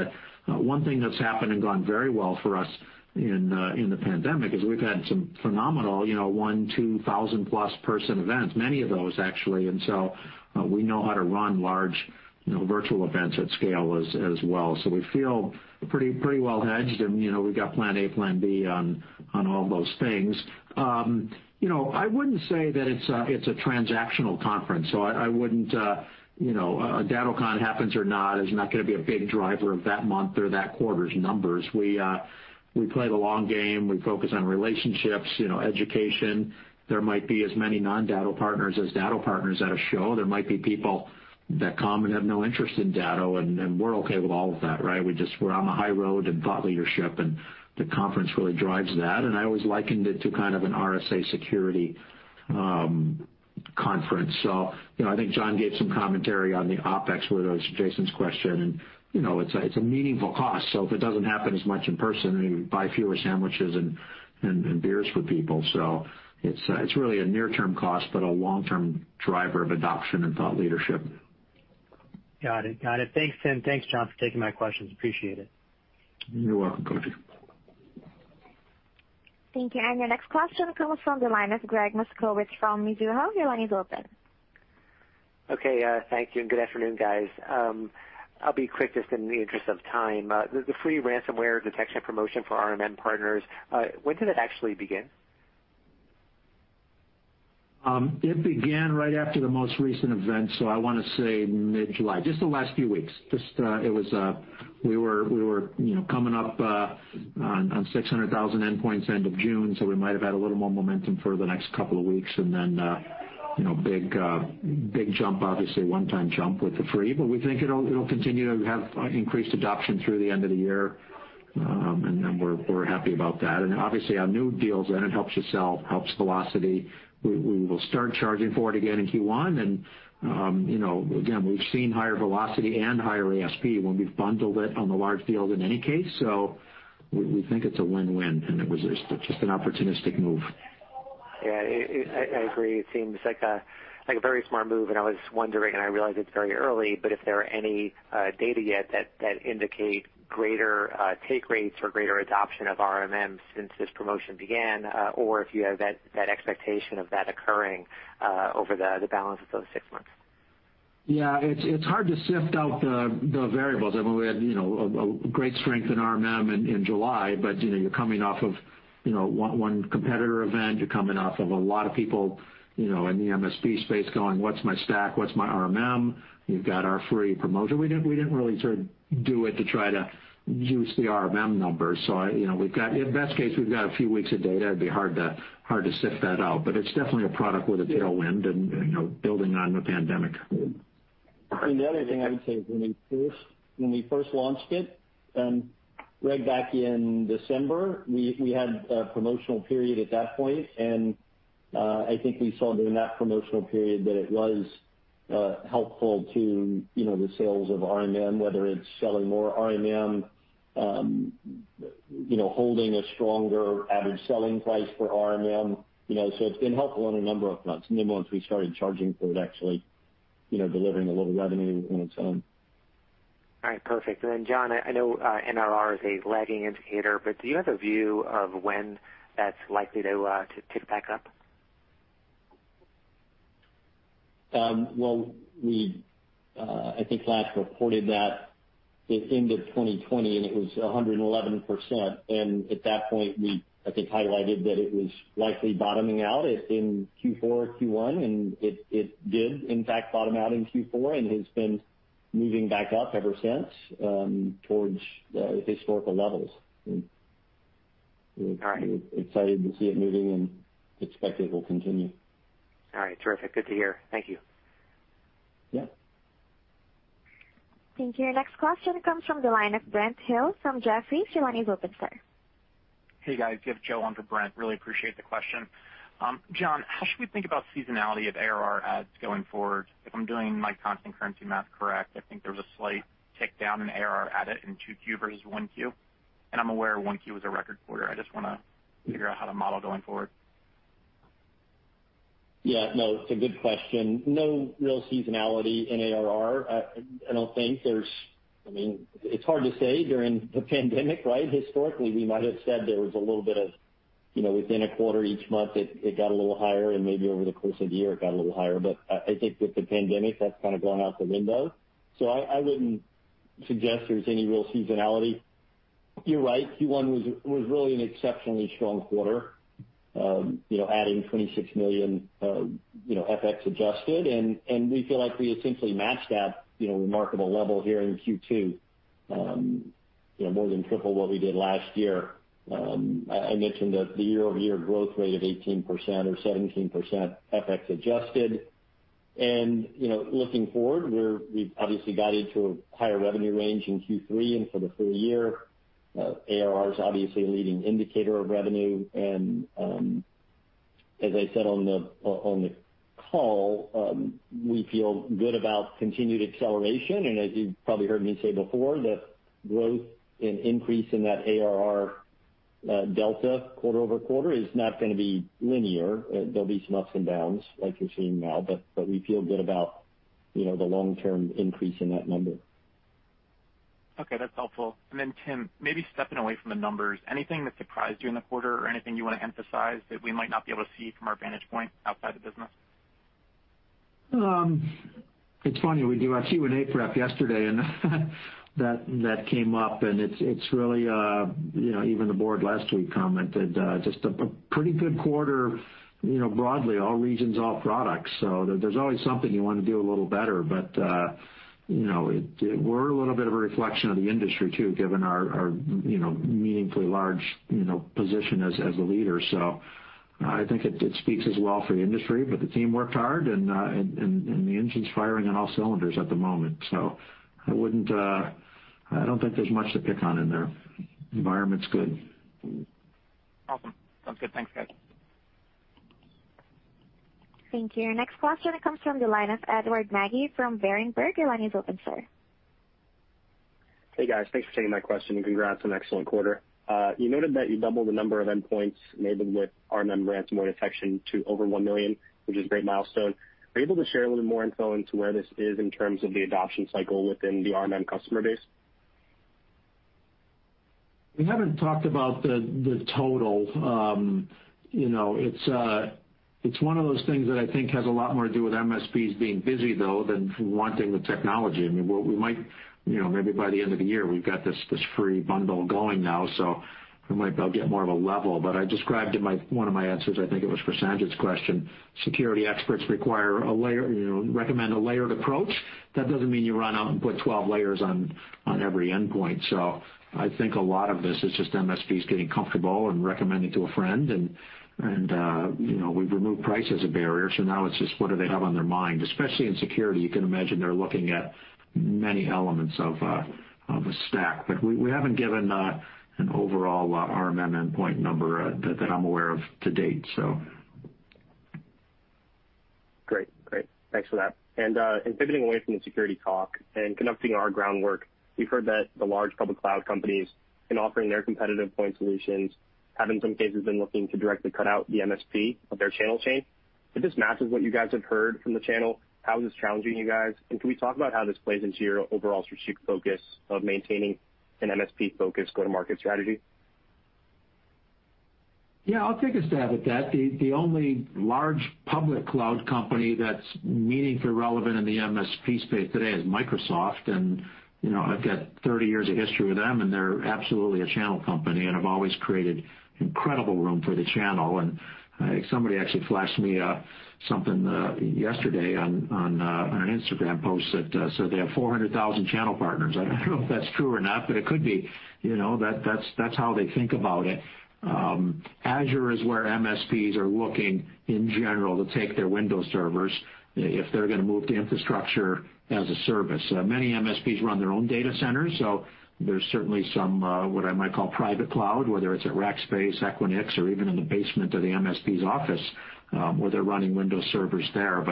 One thing that's happened and gone very well for us in the pandemic is we've had some phenomenal 1,000, 2,000-plus person events, many of those, actually. We know how to run large virtual events at scale as well. We feel pretty well hedged, and we've got plan A, plan B on all those things. I wouldn't say that it's a transactional conference, so DattoCon happens or not is not going to be a big driver of that month or that quarter's numbers. We play the long game. We focus on relationships, education. There might be as many non-Datto partners as Datto partners at a show. There might be people that come and have no interest in Datto, and we're okay with all of that, right? We're on the high road to thought leadership, and the conference really drives that. I always likened it to kind of an RSA Security conference. I think John gave some commentary on the OpEx with Jason's question, and it's a meaningful cost. If it doesn't happen as much in person, you buy fewer sandwiches and beers for people. It's really a near-term cost, but a long-term driver of adoption and thought leadership. Got it. Thanks, Tim. Thanks, John, for taking my questions. Appreciate it. You're welcome. Thank you. Your next question comes from the line of Gregg Moskowitz from Mizuho. Your line is open. Okay, thank you. Good afternoon, guys. I'll be quick, just in the interest of time. The free ransomware detection promotion for RMM partners, when did that actually begin? It began right after the most recent event, so I want to say mid-July, just the last few weeks. We were coming up on 600,000 endpoints end of June, so we might have had a little more momentum for the next couple of weeks. Then big jump, obviously, one-time jump with the free. We think it'll continue to have increased adoption through the end of the year, and we're happy about that. Obviously on new deals, and it helps the sell, helps velocity. We will start charging for it again in Q1. Again, we've seen higher velocity and higher ASP when we've bundled it on the large deal in any case. We think it's a win-win, and it was just an opportunistic move. Yeah, I agree. It seems like a very smart move, and I was wondering, and I realize it's very early, but if there are any data yet that indicate greater take rates or greater adoption of RMM since this promotion began, or if you have that expectation of that occurring over the balance of those six months. Yeah, it's hard to sift out the variables. I mean, we had great strength in RMM in July, but you're coming off of one competitor event. You're coming off of a lot of people in the MSP space going, "What's my stack? What's my RMM?" We've got our free promotion. We didn't really do it to try to juice the RMM numbers. At best case, we've got a few weeks of data. It'd be hard to sift that out. It's definitely a product with a tailwind, and building on the pandemic. The other thing I would say is, when we first launched it, Gregg, back in December, we had a promotional period at that point, I think we saw during that promotional period that it was helpful to the sales of RMM, whether it's selling more RMM, holding a stronger average selling price for RMM. It's been helpful in a number of fronts. Once we started charging for it, actually delivering a little revenue on its own. All right, perfect. John, I know NRR is a lagging indicator, but do you have a view of when that's likely to tick back up? Well, we, I think, last reported that at the end of 2020, and it was 111%. At that point, we, I think, highlighted that it was likely bottoming out in Q4, Q1, and it did, in fact, bottom out in Q4 and has been moving back up ever since towards historical levels. All right. We're excited to see it moving and expect it will continue. All right, terrific. Good to hear. Thank you. Yeah. Thank you. Our next question comes from the line of Brent Thill from Jefferies. Your line is open, sir. Hey, guys. You have Joe on for Brent. Really appreciate the question. John, how should we think about seasonality of ARR adds going forward? If I'm doing my constant currency math correct, I think there was a slight tick down in ARR add in 2Q versus 1Q, and I'm aware 1Q was a record quarter. I just want to figure out how to model going forward. Yeah, no, it's a good question. No real seasonality in ARR. I don't think, I mean, it's hard to say during the pandemic, right? Historically, we might've said there was a little bit of within a quarter, each month, it got a little higher, and maybe over the course of the year it got a little higher. I think with the pandemic, that's kind of gone out the window. I wouldn't suggest there's any real seasonality. You're right, Q1 was really an exceptionally strong quarter, adding $26 million FX adjusted, and we feel like we essentially matched that remarkable level here in Q2, more than triple what we did last year. I mentioned the year-over-year growth rate of 18% or 17% FX adjusted. Looking forward, we've obviously guided to a higher revenue range in Q3 and for the full year. ARR is obviously a leading indicator of revenue, and as I said on the call, we feel good about continued acceleration. As you've probably heard me say before, the growth and increase in that ARR Delta quarter-over-quarter is not going to be linear. There'll be some ups and downs like you're seeing now, but we feel good about the long-term increase in that number. Okay, that's helpful. Tim, maybe stepping away from the numbers, anything that surprised you in the quarter or anything you want to emphasize that we might not be able to see from our vantage point outside the business? It's funny, we did our Q&A prep yesterday. That came up. Even the board last week commented, just a pretty good quarter broadly, all regions, all products. There's always something you want to do a little better. We're a little bit of a reflection of the industry, too, given our meaningfully large position as a leader. I think it speaks as well for the industry. The team worked hard. The engine's firing on all cylinders at the moment. I don't think there's much to pick on in there. Environment's good. Awesome. Sounds good. Thanks, guys. Thank you. Next question comes from the line of Edward Magi from Berenberg Capital Markets. Your line is open, sir. Hey guys. Thanks for taking my question. Congrats on an excellent quarter. You noted that you doubled the number of endpoints enabled with RMM ransomware detection to over 1 million, which is a great milestone. Are you able to share a little more info into where this is in terms of the adoption cycle within the RMM customer base? We haven't talked about the total. It's one of those things that I think has a lot more to do with MSPs being busy, though, than wanting the technology. Maybe by the end of the year, we've got this free bundle going now, so we might be able to get more of a level. I described in one of my answers, I think it was for Sanjit's question, security experts recommend a layered approach. That doesn't mean you run out and put 12 layers on every endpoint. I think a lot of this is just MSPs getting comfortable and recommending to a friend, and we've removed price as a barrier, so now it's just what do they have on their mind. Especially in security, you can imagine they're looking at many elements of a stack. We haven't given an overall RMM endpoint number that I'm aware of to date. Great. Thanks for that. Pivoting away from the security talk and conducting our groundwork, we've heard that the large public cloud companies, in offering their competitive point solutions, have in some cases been looking to directly cut out the MSP of their channel chain. If this matches what you guys have heard from the channel, how is this challenging you guys? Can we talk about how this plays into your overall strategic focus of maintaining an MSP focus go-to-market strategy? Yeah, I'll take a stab at that. The only large public cloud company that's meaningfully relevant in the MSP space today is Microsoft, and I've got 30 years of history with them, and they're absolutely a channel company and have always created incredible room for the channel. Somebody actually flashed me something yesterday on an Instagram post that said they have 400,000 channel partners. I don't know if that's true or not, but it could be. That's how they think about it. Azure is where MSPs are looking in general to take their Windows servers if they're going to move to infrastructure as a service. Many MSPs run their own data centers, so there's certainly some, what I might call private cloud, whether it's at Rackspace, Equinix, or even in the basement of the MSP's office, where they're running Windows servers there.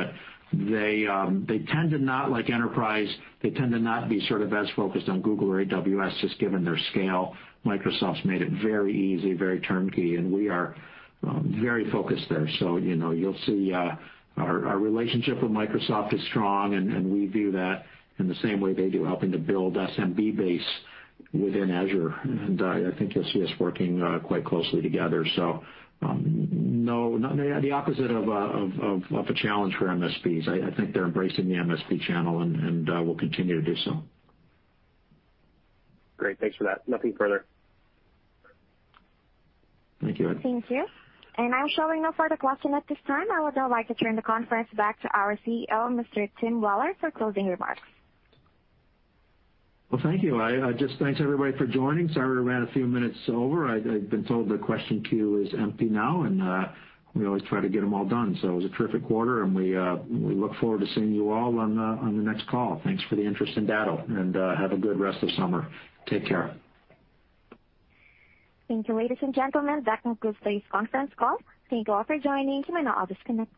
They tend to not like enterprise. They tend to not be sort of as focused on Google or AWS, just given their scale. Microsoft's made it very easy, very turnkey, and we are very focused there. You'll see our relationship with Microsoft is strong, and we view that in the same way they do, helping to build SMB base within Azure. I think you'll see us working quite closely together. The opposite of a challenge for MSPs. I think they're embracing the MSP channel, and will continue to do so. Great. Thanks for that. Nothing further. Thank you, Edward. Thank you. I'm showing no further questions at this time. I would now like to turn the conference back to our CEO, Mr. Tim Weller, for closing remarks. Well, thank you. Thanks everybody for joining. Sorry we ran a few minutes over. I've been told the question queue is empty now, and we always try to get them all done. It was a terrific quarter, and we look forward to seeing you all on the next call. Thanks for the interest in Datto, and have a good rest of summer. Take care. Thank you, ladies and gentlemen, that concludes today's conference call. Thank you all for joining. You may now disconnect.